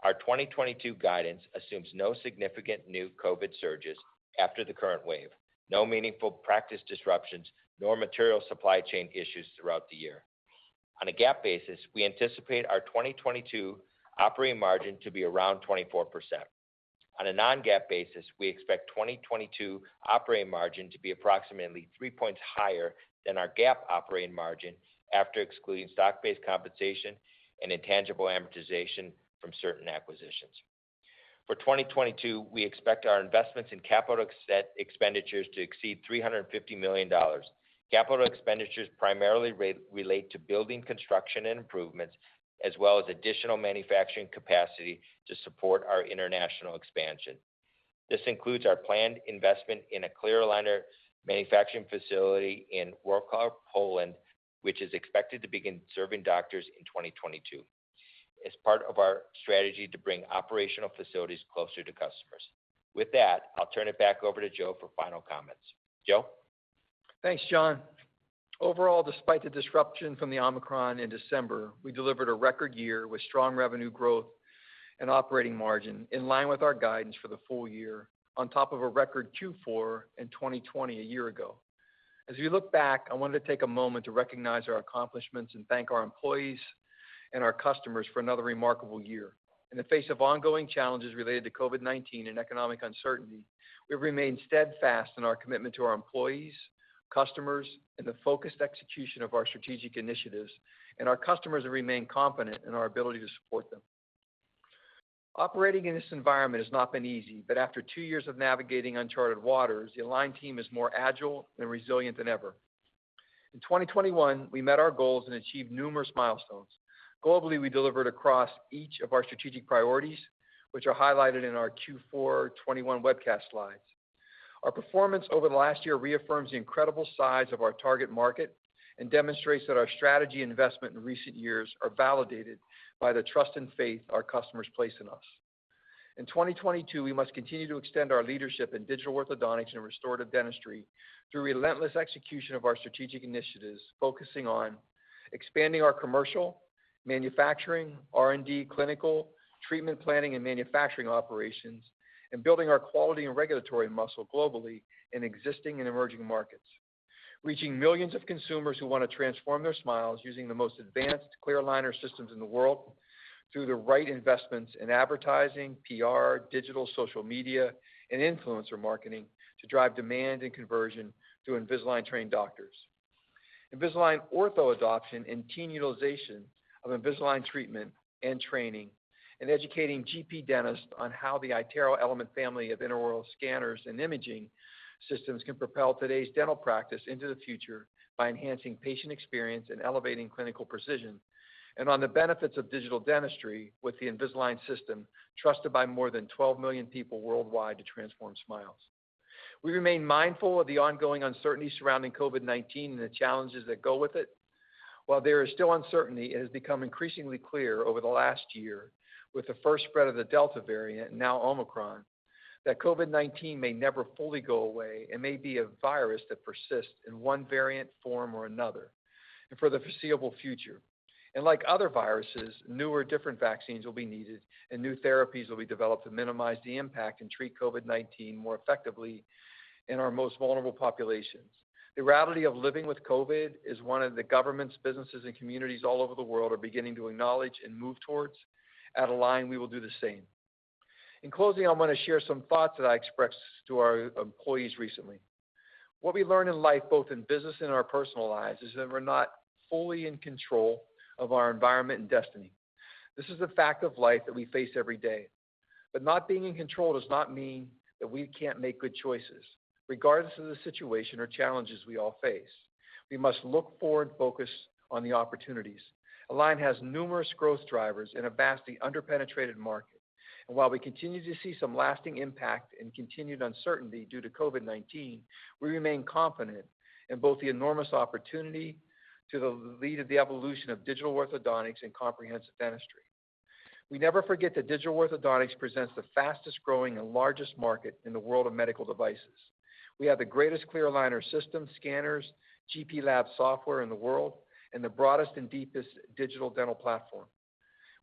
Our 2022 guidance assumes no significant new COVID surges after the current wave, no meaningful practice disruptions nor material supply chain issues throughout the year. On a GAAP basis, we anticipate our 2022 operating margin to be around 24%. On a non-GAAP basis, we expect 2022 operating margin to be approximately 3% points higher than our GAAP operating margin after excluding stock-based compensation and intangible amortization from certain acquisitions. For 2022, we expect our investments in capital expenditures to exceed $350 million. Capital expenditures primarily relate to building construction and improvements, as well as additional manufacturing capacity to support our international expansion. This includes our planned investment in a clear aligner manufacturing facility in Wrocław, Poland, which is expected to begin serving doctors in 2022 as part of our strategy to bring operational facilities closer to customers. With that, I'll turn it back over to Joe for final comments. Joe? Thanks, John. Overall, despite the disruption from the Omicron in December, we delivered a record year with strong revenue growth and operating margin in line with our guidance for the full year on top of a record Q4 in 2020 a year ago. As we look back, I wanted to take a moment to recognize our accomplishments and thank our employees and our customers for another remarkable year. In the face of ongoing challenges related to COVID-19 and economic uncertainty, we've remained steadfast in our commitment to our employees, customers and the focused execution of our strategic initiatives. Our customers have remained confident in our ability to support them. Operating in this environment has not been easy but after two years of navigating uncharted waters, the Align team is more agile and resilient than ever. In 2021, we met our goals and achieved numerous milestones. Globally, we delivered across each of our strategic priorities, which are highlighted in our Q4, 2021 webcast slides. Our performance over the last year reaffirms the incredible size of our target market and demonstrates that our strategic investments in recent years are validated by the trust and faith our customers place in us. In 2022, we must continue to extend our leadership in digital orthodontics and restorative dentistry through relentless execution of our strategic initiatives, focusing on expanding our commercial, manufacturing, R&D, clinical, treatment planning, and manufacturing operations, and building our quality and regulatory muscle globally in existing and emerging markets. Reaching millions of consumers who want to transform their smiles using the most advanced clear aligner systems in the world through the right investments in advertising, PR, digital, social media, and influencer marketing to drive demand and conversion through Invisalign trained doctors. Invisalign ortho adoption and teen utilization of Invisalign treatment and training, and educating GP dentists on how the iTero Element family of intraoral scanners and imaging systems can propel today's dental practice into the future by enhancing patient experience and elevating clinical precision. On the benefits of digital dentistry with the Invisalign system trusted by more than 12 million people worldwide to transform smiles. We remain mindful of the ongoing uncertainty surrounding COVID-19 and the challenges that go with it. While there is still uncertainty, it has become increasingly clear over the last year with the first spread of the Delta variant and now Omicron, that COVID-19 may never fully go away and may be a virus that persists in one variant form or another and for the foreseeable future. Like other viruses, new or different vaccines will be needed and new therapies will be developed to minimize the impact and treat COVID-19 more effectively in our most vulnerable populations. The reality of living with COVID is one that governments, businesses and communities all over the world are beginning to acknowledge and move towards. At Align, we will do the same. In closing, I want to share some thoughts that I expressed to our employees recently. What we learn in life, both in business and our personal lives, is that we're not fully in control of our environment and destiny. This is a fact of life that we face every day. Not being in control does not mean that we can't make good choices regardless of the situation or challenges we all face. We must look forward, focused on the opportunities. Align has numerous growth drivers in a vastly under-penetrated market. While we continue to see some lasting impact and continued uncertainty due to COVID-19, we remain confident in both the enormous opportunity to lead the evolution of digital orthodontics and comprehensive dentistry. We never forget that digital orthodontics presents the fastest growing and largest market in the world of medical devices. We have the greatest clear aligner system, scanners, GP lab software in the world, and the broadest and deepest digital dental platform.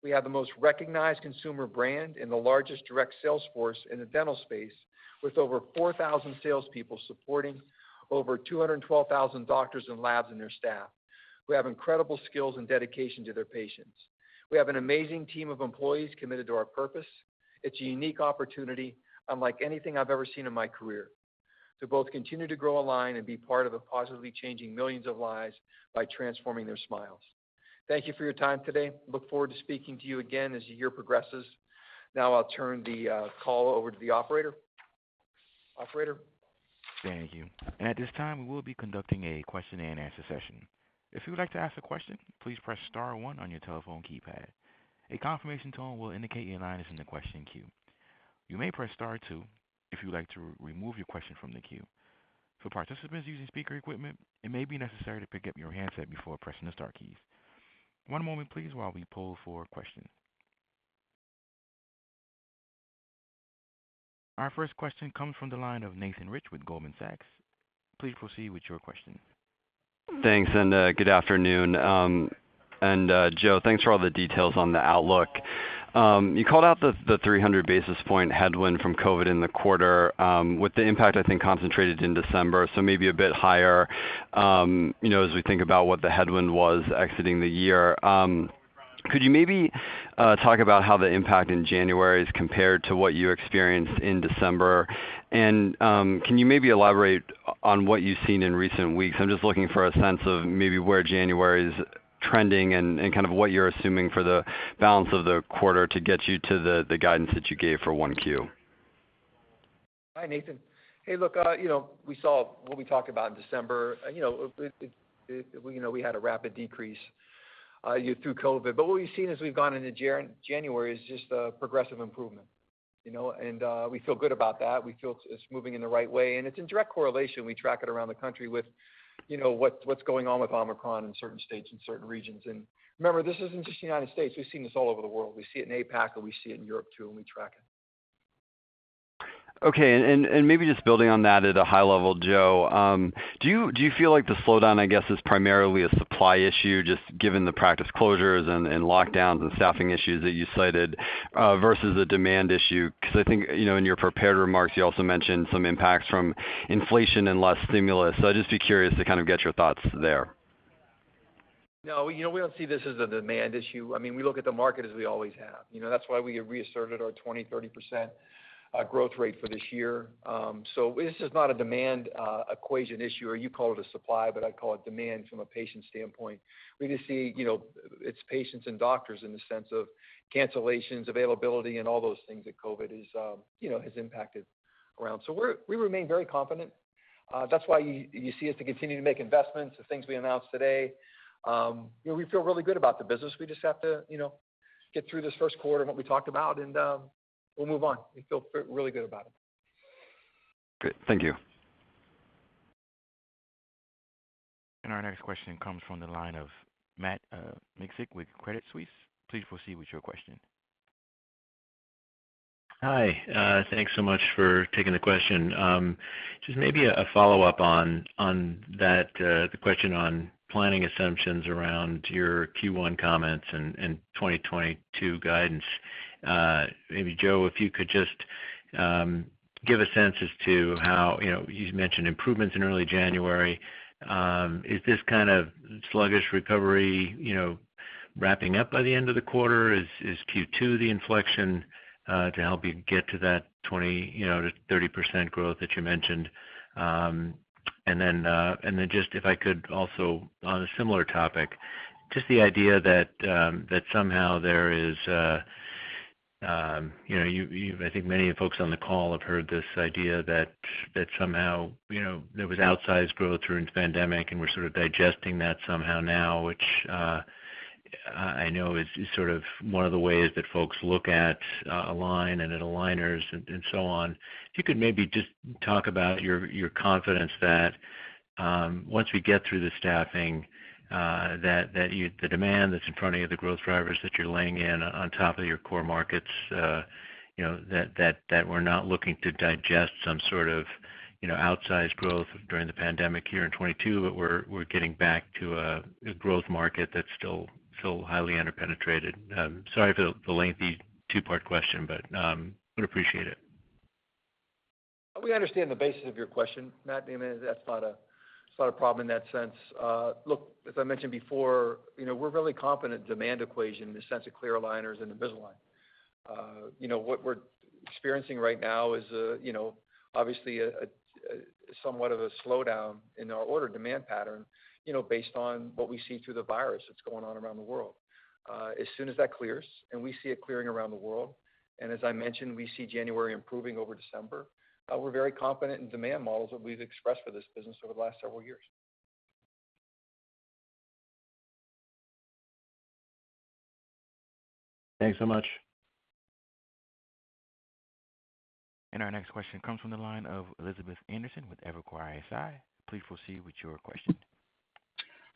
We have the most recognized consumer brand and the largest direct sales force in the dental space, with over 4,000 salespeople supporting over 212,000 doctors and labs and their staff, who have incredible skills and dedication to their patients. We have an amazing team of employees committed to our purpose. It's a unique opportunity unlike anything I've ever seen in my career to both continue to grow Align and be part of positively changing millions of lives by transforming their smiles. Thank you for your time today. I look forward to speaking to you again as the year progresses. Now I'll turn the call over to the operator. Operator? Thank you. At this time, we will be conducting a question-and-answer session. If you would like to ask a question, please press star one on your telephone keypad. A confirmation tone will indicate your line is in the question queue. You may press star two if you would like to remove your question from the queue. For participants using speaker equipment, it may be necessary to pick up your handset before pressing the star keys. One moment please while we pull for a question. Our first question comes from the line of Nathan Rich with Goldman Sachs. Please proceed with your question. Thanks, good afternoon. Joe, thanks for all the details on the outlook. You called out the 300 basis point headwind from COVID in the quarter with the impact, I think, concentrated in December, so maybe a bit higher, you know, as we think about what the headwind was exiting the year. Could you maybe talk about how the impact in January is compared to what you experienced in December? Can you maybe elaborate on what you've seen in recent weeks? I'm just looking for a sense of maybe where January is trending and what you're assuming for the balance of the quarter to get you to the guidance that you gave for 1Q? Hi, Nathan. Hey, look, you know, we saw what we talked about in December. You know, it you know, we had a rapid decrease through COVID. What we've seen as we've gone into January is just a progressive improvement, you know? We feel good about that. We feel it's moving in the right way, and it's in direct correlation. We track it around the country with what's going on with Omicron in certain states and certain regions. Remember, this isn't just the United States. We've seen this all over the world. We see it in APAC, and we see it in Europe too, and we track it. Okay. Maybe just building on that at a high level, Joe, do you feel like the slowdown, I guess, is primarily a supply issue, just given the practice closures and lockdowns and staffing issues that you cited versus a demand issue? Because I think, you know, in your prepared remarks, you also mentioned some impacts from inflation and less stimulus. I'd just be curious to get your thoughts there. No. You know, we don't see this as a demand issue. I mean, we look at the market as we always have. You know, that's why we reasserted our 20%/30% growth rate for this year. This is not a demand equation issue or you call it a supply but I call it demand from a patient standpoint. We just see, you know, it's patients and doctors in the sense of cancellations, availability and all those things that COVID has you know has impacted around. We remain very confident. That's why you see us to continue to make investments, the things we announced today. We feel really good about the business. We just have to, get through this first quarter and what we talked about, and we'll move on. We feel really good about it. Great. Thank you. Our next question comes from the line of Matt Miksic with Credit Suisse. Please proceed with your question. Hi, thanks so much for taking the question. Just maybe a follow-up on that question on planning assumptions around your Q1 comments and 2022 guidance. Maybe Joe, if you could just give a sense as to how, you know, you mentioned improvements in early January. Is this sluggish recovery, you know, wrapping up by the end of the quarter? Is Q2 the inflection to help you get to that 20%/30% growth that you mentioned? Just if I could also, on a similar topic, just the idea that somehow there is, you know, I think many folks on the call have heard this idea that somehow, you know, there was outsized growth during the pandemic, and we're sort of digesting that somehow now, which I know is one of the ways that folks look at Align and aligners and so on. If you could maybe just talk about your confidence that once we get through the staffing, that the demand that's in front of you, the growth drivers that you're laying in on top of your core markets, you know, that we're not looking to digest some sort of, you know, outsized growth during the pandemic year in 2022 but we're getting back to a growth market that's still highly under-penetrated. Sorry for the lengthy two-part question but would appreciate it. We understand the basis of your question, Matt. I mean, that's not a problem in that sense. Look, as I mentioned before, you know, we're really confident in the demand equation in the sense of clear aligners and Invisalign. You know, what we're experiencing right now is, you know, obviously a somewhat of a slowdown in our order demand pattern, you know, based on what we see through the virus that's going on around the world. As soon as that clears, and we see it clearing around the world, and as I mentioned, we see January improving over December, we're very confident in demand models that we've expressed for this business over the last several years. Thanks so much. Our next question comes from the line of Elizabeth Anderson with Evercore ISI. Please proceed with your question.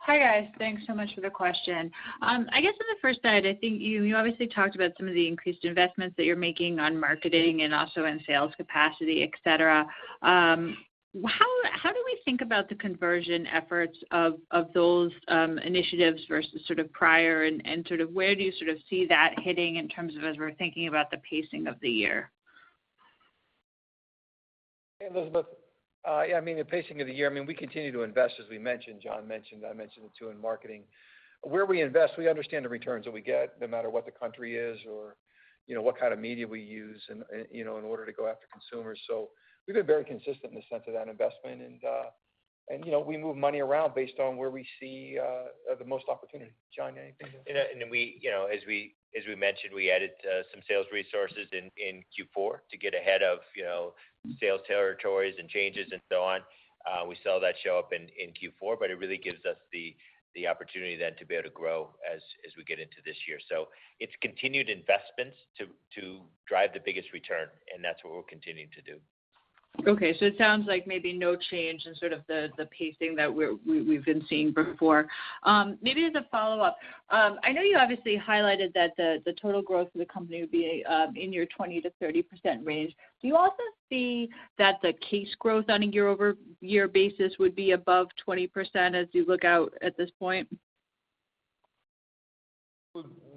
Hi, guys. Thanks so much for the question. I guess on the first side, I think you obviously talked about some of the increased investments that you're making on marketing and also in sales capacity, et cetera. How do we think about the conversion efforts of those initiatives versus sort of prior, and sort of where do you sort of see that hitting in terms of as we're thinking about the pacing of the year? Hey, Elizabeth. Yeah, I mean, the pacing of the year, I mean, we continue to invest, as we mentioned, John mentioned, I mentioned it too in marketing. Where we invest, we understand the returns that we get no matter what the country is or, you know, what kind of media we use and, you know, in order to go after consumers. We've been very consistent in the sense of that investment and, you know, we move money around based on where we see the most opportunity. John, anything to add? We, you know, as we mentioned, we added some sales resources in Q4 to get ahead of, you know, sales territories and changes and so on. We saw that show up in Q4, but it really gives us the opportunity then to be able to grow as we get into this year. It's continued investments to drive the biggest return, and that's what we're continuing to do. Okay. It sounds like maybe no change in sort of the pacing that we've been seeing before. Maybe as a follow-up, I know you obviously highlighted that the total growth of the company would be in your 20%/30% range. Do you also see that the case growth on a year-over-year basis would be above 20% as you look out at this point?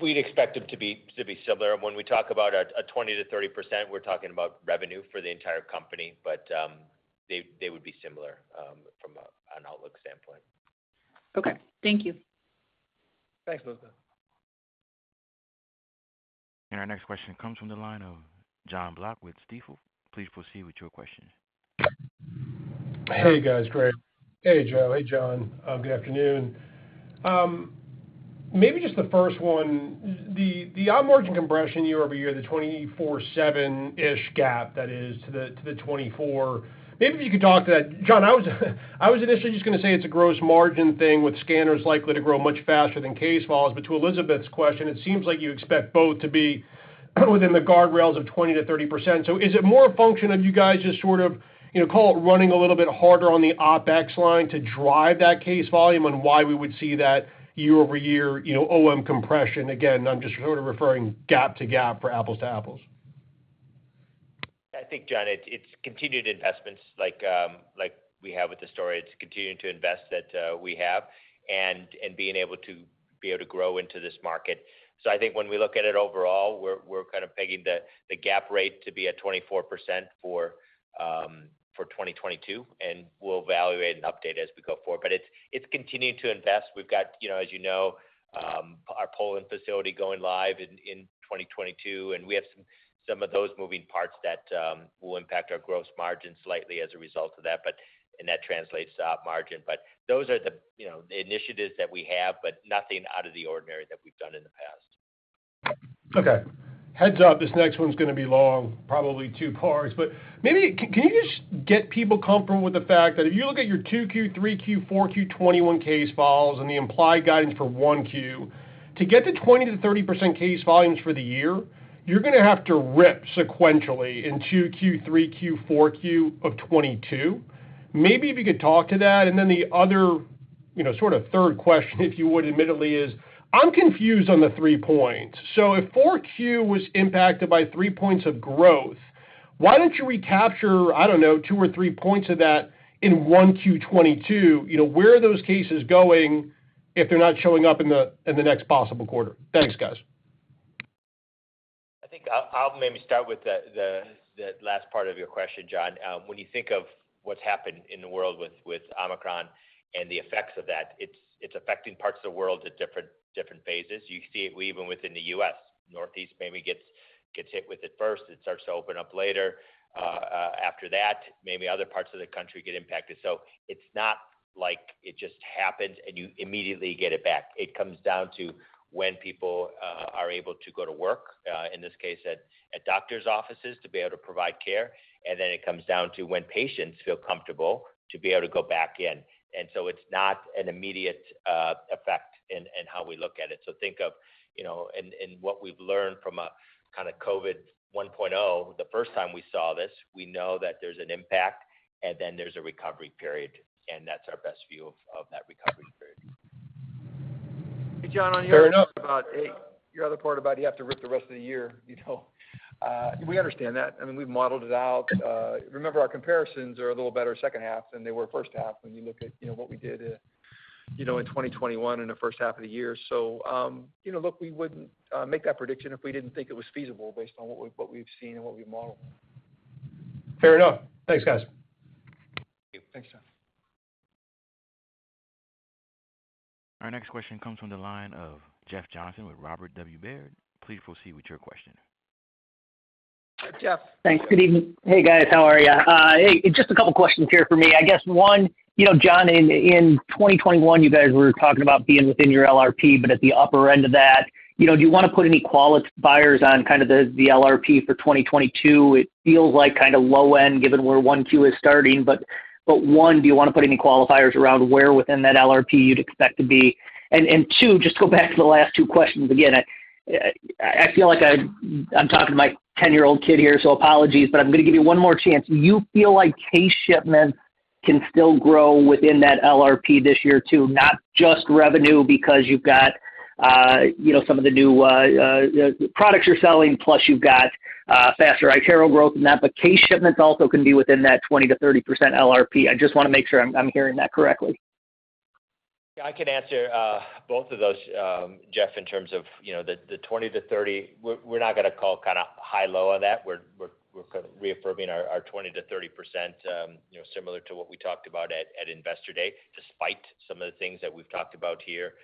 We'd expect them to be similar. When we talk about a 20%/30%, we're talking about revenue for the entire company but they would be similar from an outlook standpoint. Okay. Thank you. Thanks, Elizabeth. Our next question comes from the line of Jonathan Block with Stifel. Please proceed with your question. Hey, guys. Great. Hey, Joe. Hey, John. Good afternoon. Maybe just the first one, the operating margin compression year-over-year, the 24.7-ish gap that is to the 24. Maybe if you could talk to that. John, I was initially just gonna say it's a gross margin thing with scanners likely to grow much faster than case starts but to Elizabeth's question, it seems like you expect both to be within the guardrails of 20%/30%. Is it more a function of you guys just sort of, you know, call it running a little bit harder on the OpEx line to drive that case volume and why we would see that year-over-year, you know, operating margin compression? Again, I'm just referring gap to gap for apples to apples. I think, John, it's continued investments like we have with the story. It's continuing to invest that we have and being able to grow into this market. I think when we look at it overall, we're kind of pegging the gap rate to be at 24% for 2022, and we'll evaluate and update as we go forward. It's continuing to invest. We've got, you know, our Poland facility going live in 2022, and we have some of those moving parts that will impact our gross margin slightly as a result of that and that translates to operating margin. Those are the initiatives that we have, but nothing out of the ordinary that we've done in the past. Okay. Heads up, this next one's gonna be long, probably two parts. Maybe can you just get people comfortable with the fact that if you look at your 2Q, 3Q, 4Q, 2021 case files and the implied guidance for 1Q to get to 20%/30% case volumes for the year, you're gonna have to rip sequentially into Q3, Q4, Q of 2022. Maybe if you could talk to that. Then the other, you know, sort of third question, if you would, admittedly is, I'm confused on the 3% points. If 4Q was impacted by 3% points of growth, why don't you recapture, I don't know, 2% or 3% points of that in 1Q, 2022? You know, where are those cases going if they're not showing up in the, in the next possible quarter? Thanks, guys. I think I'll maybe start with the last part of your question, John. When you think of what's happened in the world with Omicron and the effects of that, it's affecting parts of the world at different phases. You see it even within the U.S. Northeast maybe gets hit with it first and starts to open up later. After that, maybe other parts of the country get impacted. It's not like it just happens and you immediately get it back. It comes down to when people are able to go to work in this case, at doctor's offices to be able to provide care. Then it comes down to when patients feel comfortable to be able to go back in. It's not an immediate effect in how we look at it. Think of, you know, in what we've learned from a COVID 1.0, the first time we saw this. We know that there's an impact and then there's a recovery period, and that's our best view of that recovery period. Hey, Jon. Fair enough. Hey, your other part about you have to rip the rest of the year, you know, we understand that. I mean, we've modelled it out. Remember our comparisons are a little better second half than they were first half when you look at, you know, what we did, you know, in 2021 in the first half of the year. You know, look, we wouldn't make that prediction if we didn't think it was feasible based on what we've seen and what we've modelled. Fair enough. Thanks, guys. Thank you. Thanks, John. Our next question comes from the line of Jeffrey Johnson with Robert W. Baird. Please proceed with your question. Jeff. Thanks. Good evening. Hey, guys. How are you? Hey, just a couple questions here from me. I guess one, you know, John, in 2021, you guys were talking about being within your LRP, but at the upper end of that. You know, do you wanna put any qualifiers on the LRP for 2022? It feels like kind of low end given where 1Q is starting. One, do you wanna put any qualifiers around where within that LRP you'd expect to be? Two, just go back to the last two questions again. I feel like I'm talking to my 10-year-old kid here, so apologies, but I'm gonna give you one more chance. Do you feel like case shipments can still grow within that LRP this year too, not just revenue because you've got, you know, some of the new products you're selling plus you've got faster iTero growth but case shipments also can be within that 20%/30% LRP? I just wanna make sure I'm hearing that correctly. Yeah, I can answer both of those, Jeff, in terms of, you know, the 20%/30%. We're reaffirming our 20%/30%, you know, similar to what we talked about at Investor Day, despite some of the things that we've talked about here,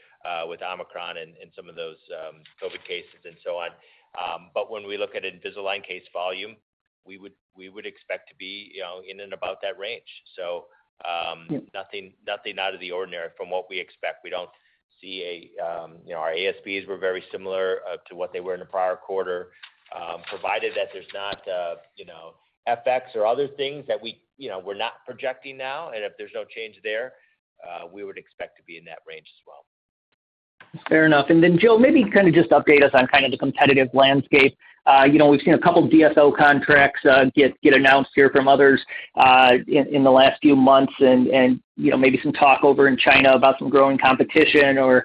with Omicron and some of those COVID cases and so on. When we look at Invisalign case volume, we would expect to be, you know, in and about that range. Yeah. Nothing out of the ordinary from what we expect. We don't see, you know, our ASPs were very similar to what they were in the prior quarter. Provided that there's not, you know, FX or other things that we, you know, we're not projecting now, and if there's no change there, we would expect to be in that range as well. Fair enough. Then, Joe, maybe just update us on the competitive landscape. You know, we've seen a couple DSO contracts get announced here from others in the last few months and you know, maybe some talk over in China about some growing competition or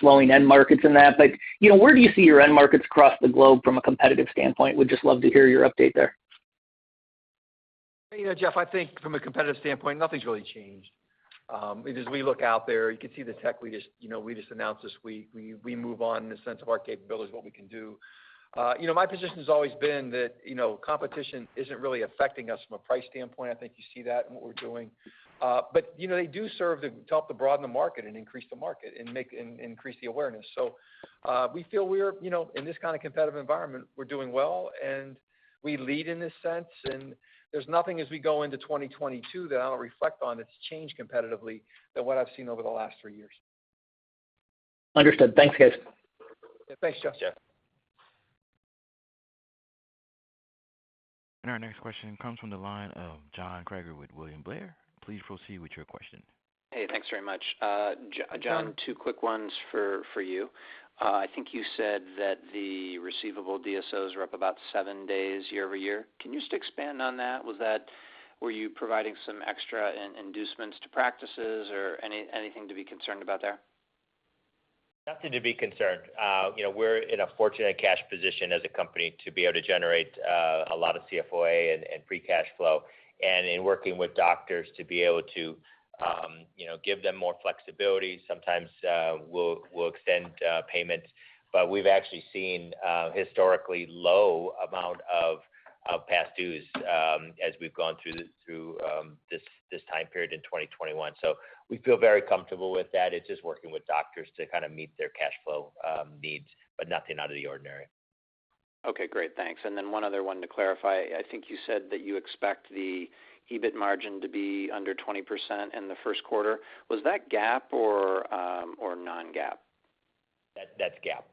slowing end markets and that. You know, where do you see your end markets across the globe from a competitive standpoint? Would just love to hear your update there. You know, Jeff, I think from a competitive standpoint, nothing's really changed. As we look out there, you can see the tech we just announced this week. We move on in the sense of our capabilities, what we can do. You know, my position's always been that, you know, competition isn't really affecting us from a price standpoint. I think you see that in what we're doing but, you know, they do serve to help to broaden the market and increase the market and increase the awareness. We feel we're, you know, in this kind of competitive environment, we're doing well, and we lead in this sense. There's nothing as we go into 2022 that I'll reflect on that's changed competitively than what I've seen over the last three years. Understood. Thanks, guys. Yeah, thanks, Jeff. Thanks, Jeff. Our next question comes from the line of John Kreger with William Blair. Please proceed with your question. Hey, thanks very much. John John. Two quick ones for you. I think you said that the receivable DSOs were up about seven days year-over-year. Can you just expand on that? Were you providing some extra inducements to practices or anything to be concerned about there? Nothing to be concerned. You know, we're in a fortunate cash position as a company to be able to generate a lot of CFOA and free cash flow. In working with doctors to be able to, you know, give them more flexibility, sometimes we'll extend payments. We've actually seen historically low amount of past dues as we've gone through this time period in 2021. We feel very comfortable with that. It's just working with doctors to meet their cash flow needs, but nothing out of the ordinary. Okay, great. Thanks. One other one to clarify. I think you said that you expect the EBIT margin to be under 20% in the first quarter. Was that GAAP or non-GAAP? That, that's GAAP.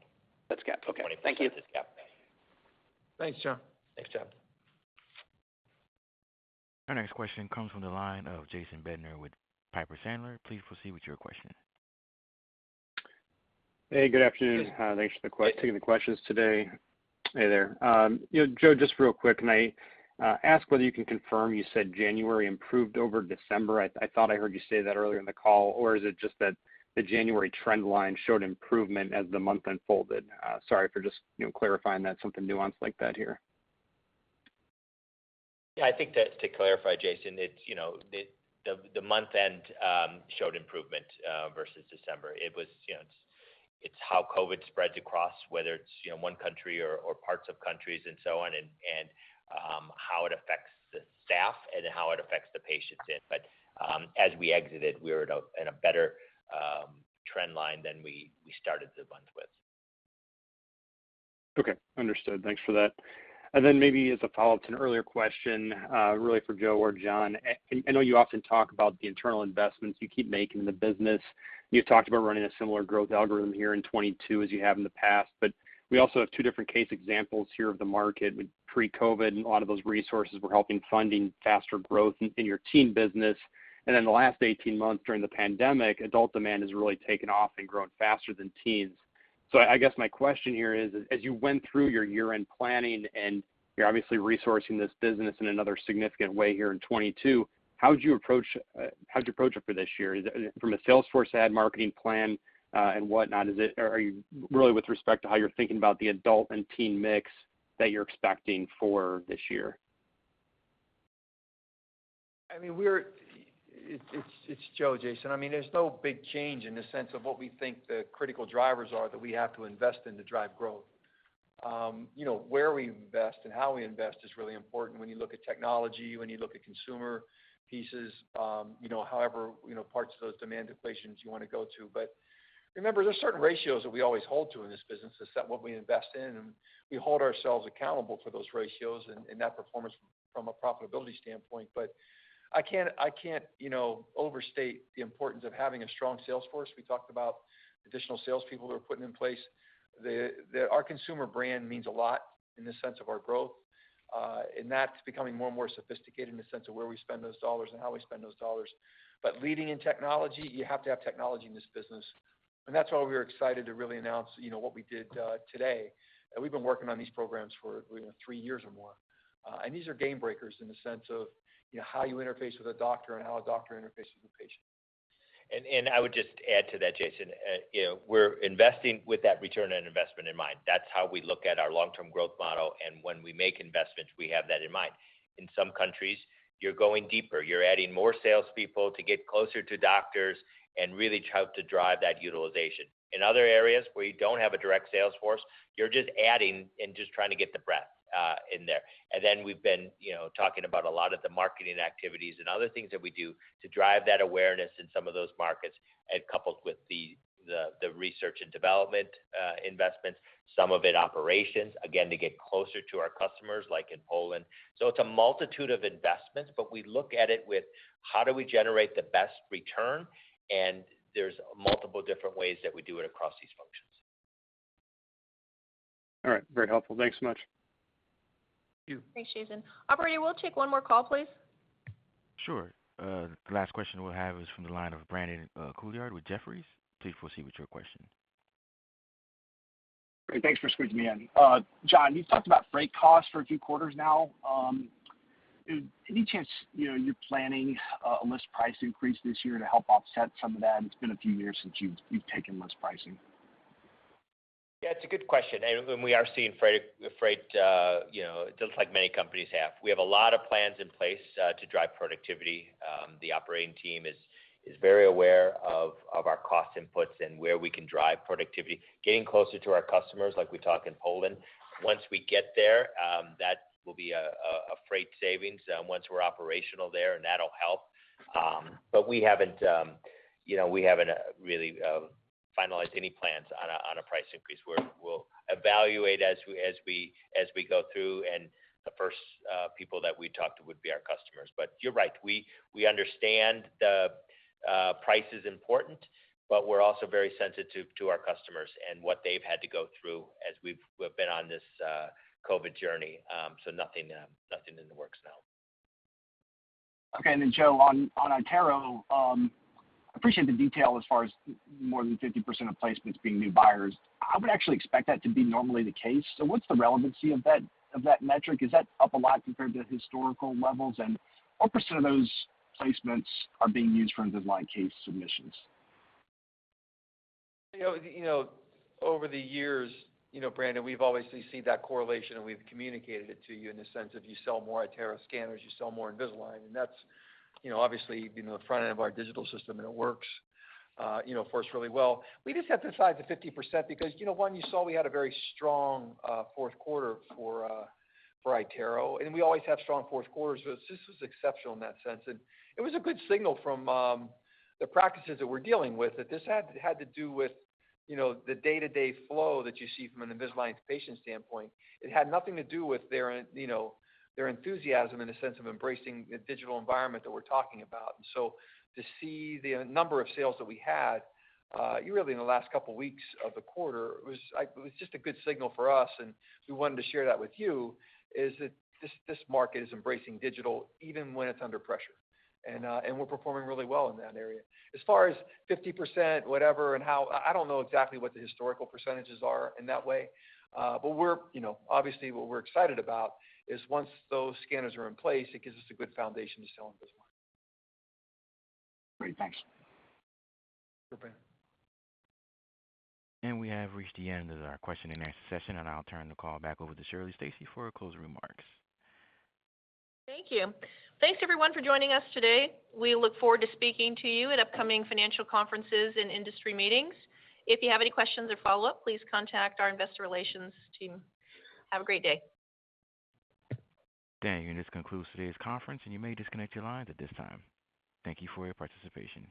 That's GAAP. Okay. The 20% is GAAP-based. Thank you. Thanks, John. Thanks, John. Our next question comes from the line of Jason Bednar with Piper Sandler. Please proceed with your question. Hey, good afternoon. Thanks for taking the questions today. Hey there. You know, Joe, just real quick, can I ask whether you can confirm? You said January improved over December. I thought I heard you say that earlier in the call, or is it just that the January trend line showed improvement as the month unfolded? Sorry for just, you know, clarifying that, something nuanced like that here. Yeah, I think that to clarify, Jason, it's, you know, the month end showed improvement versus December. It was, you know, it's how COVID spreads across, whether it's, you know, one country or parts of countries and so on, and how it affects the staff and how it affects the patients then. As we exited, we were in a better trend line than we started the month with. Okay. Understood. Thanks for that. Maybe as a follow-up to an earlier question, really for Joe or John. I know you often talk about the internal investments you keep making in the business. You've talked about running a similar growth algorithm here in 2022 as you have in the past. We also have two different case examples here of the market with pre-COVID, and a lot of those resources were helping fund faster growth in your teen business. The last 18 months during the pandemic, adult demand has really taken off and grown faster than teens. I guess my question here is, as you went through your year-end planning, and you're obviously resourcing this business in another significant way here in 2022, how did you approach it for this year? Is it from a sales force ad marketing plan, and whatnot, is it or are you really with respect to how you're thinking about the adult and teen mix that you're expecting for this year? I mean, It's Joe, Jason. I mean, there's no big change in the sense of what we think the critical drivers are that we have to invest in to drive growth. You know, where we invest and how we invest is really important when you look at technology, when you look at consumer pieces, you know, however, you know, parts of those demand equations you wanna go to but remember, there's certain ratios that we always hold to in this business to set what we invest in, and we hold ourselves accountable for those ratios and that performance from a profitability standpoint but I can't overstate the importance of having a strong sales force. We talked about additional sales people that we're putting in place. Our consumer brand means a lot in the sense of our growth, and that's becoming more and more sophisticated in the sense of where we spend those dollars and how we spend those dollars. Leading in technology, you have to have technology in this business. That's why we were excited to really announce, you know, what we did today. We've been working on these programs for, you know, three years or more. These are game breakers in the sense of, you know, how you interface with a doctor and how a doctor interfaces with a patient. I would just add to that, Jason, you know, we're investing with that return on investment in mind. That's how we look at our long-term growth model. When we make investments, we have that in mind. In some countries, you're going deeper. You're adding more sales people to get closer to doctors and really help to drive that utilization. In other areas, where you don't have a direct sales force, you're just adding and just trying to get the breadth in there. Then we've been, you know, talking about a lot of the marketing activities and other things that we do to drive that awareness in some of those markets, and coupled with the research and development investments, some of it operations, again, to get closer to our customers, like in Poland. It's a multitude of investments, but we look at it with, how do we generate the best return? There's multiple different ways that we do it across these functions. All right. Very helpful. Thanks so much. Thank you. Thanks, Jason. Operator, we'll take one more call, please. Sure. The last question we'll have is from the line of Brandon Couillard with Jefferies. Please proceed with your question. Great. Thanks for squeezing me in. John, you've talked about freight costs for a few quarters now. Any chance, you know, you're planning a list price increase this year to help offset some of that? It's been a few years since you've taken list pricing. Yeah, it's a good question, and we are seeing freight, just like many companies have. We have a lot of plans in place to drive productivity. The operating team is very aware of our cost inputs and where we can drive productivity. Getting closer to our customers, like we talk in Poland, once we get there, that will be a freight savings, once we're operational there, and that'll help. We haven't, you know, we haven't really finalized any plans on a price increase. We'll evaluate as we go through, and the first people that we talk to would be our customers. You're right, we understand the price is important, but we're also very sensitive to our customers and what they've had to go through as we've been on this COVID journey. Nothing in the works now. Okay. Joe, on iTero, appreciate the detail as far as more than 50% of placements being new buyers. I would actually expect that to be normally the case, so what's the relevancy of that metric? Is that up a lot compared to historical levels? What percent of those placements are being used for Invisalign case submissions? You know, over the years, you know, Brandon, we've always seen that correlation, and we've communicated it to you in the sense of you sell more iTero scanners, you sell more Invisalign. That's, you know, obviously, you know, the front end of our digital system, and it works, you know, for us really well. We just have to decide the 50% because, you know, one, you saw we had a very strong fourth quarter for iTero. We always have strong fourth quarters, but this was exceptional in that sense. It was a good signal from the practices that we're dealing with, that this had to do with, you know, the day-to-day flow that you see from an Invisalign patient standpoint. It had nothing to do with their, you know, their enthusiasm in the sense of embracing the digital environment that we're talking about. To see the number of sales that we had, really in the last couple weeks of the quarter, it was just a good signal for us, and we wanted to share that with you, is that this market is embracing digital even when it's under pressure. We're performing really well in that area. As far as 50%, whatever, I don't know exactly what the historical percentages are in that way. We're, you know, obviously, what we're excited about is once those scanners are in place, it gives us a good foundation to sell Invisalign. Great. Thanks. Sure, Brandon. We have reached the end of our question and answer session, and I'll turn the call back over to Shirley Stacy for her closing remarks. Thank you. Thanks everyone for joining us today. We look forward to speaking to you at upcoming financial conferences and industry meetings. If you have any questions or follow up, please contact our investor relations team. Have a great day. Thank you. This concludes today's conference, and you may disconnect your lines at this time. Thank you for your participation.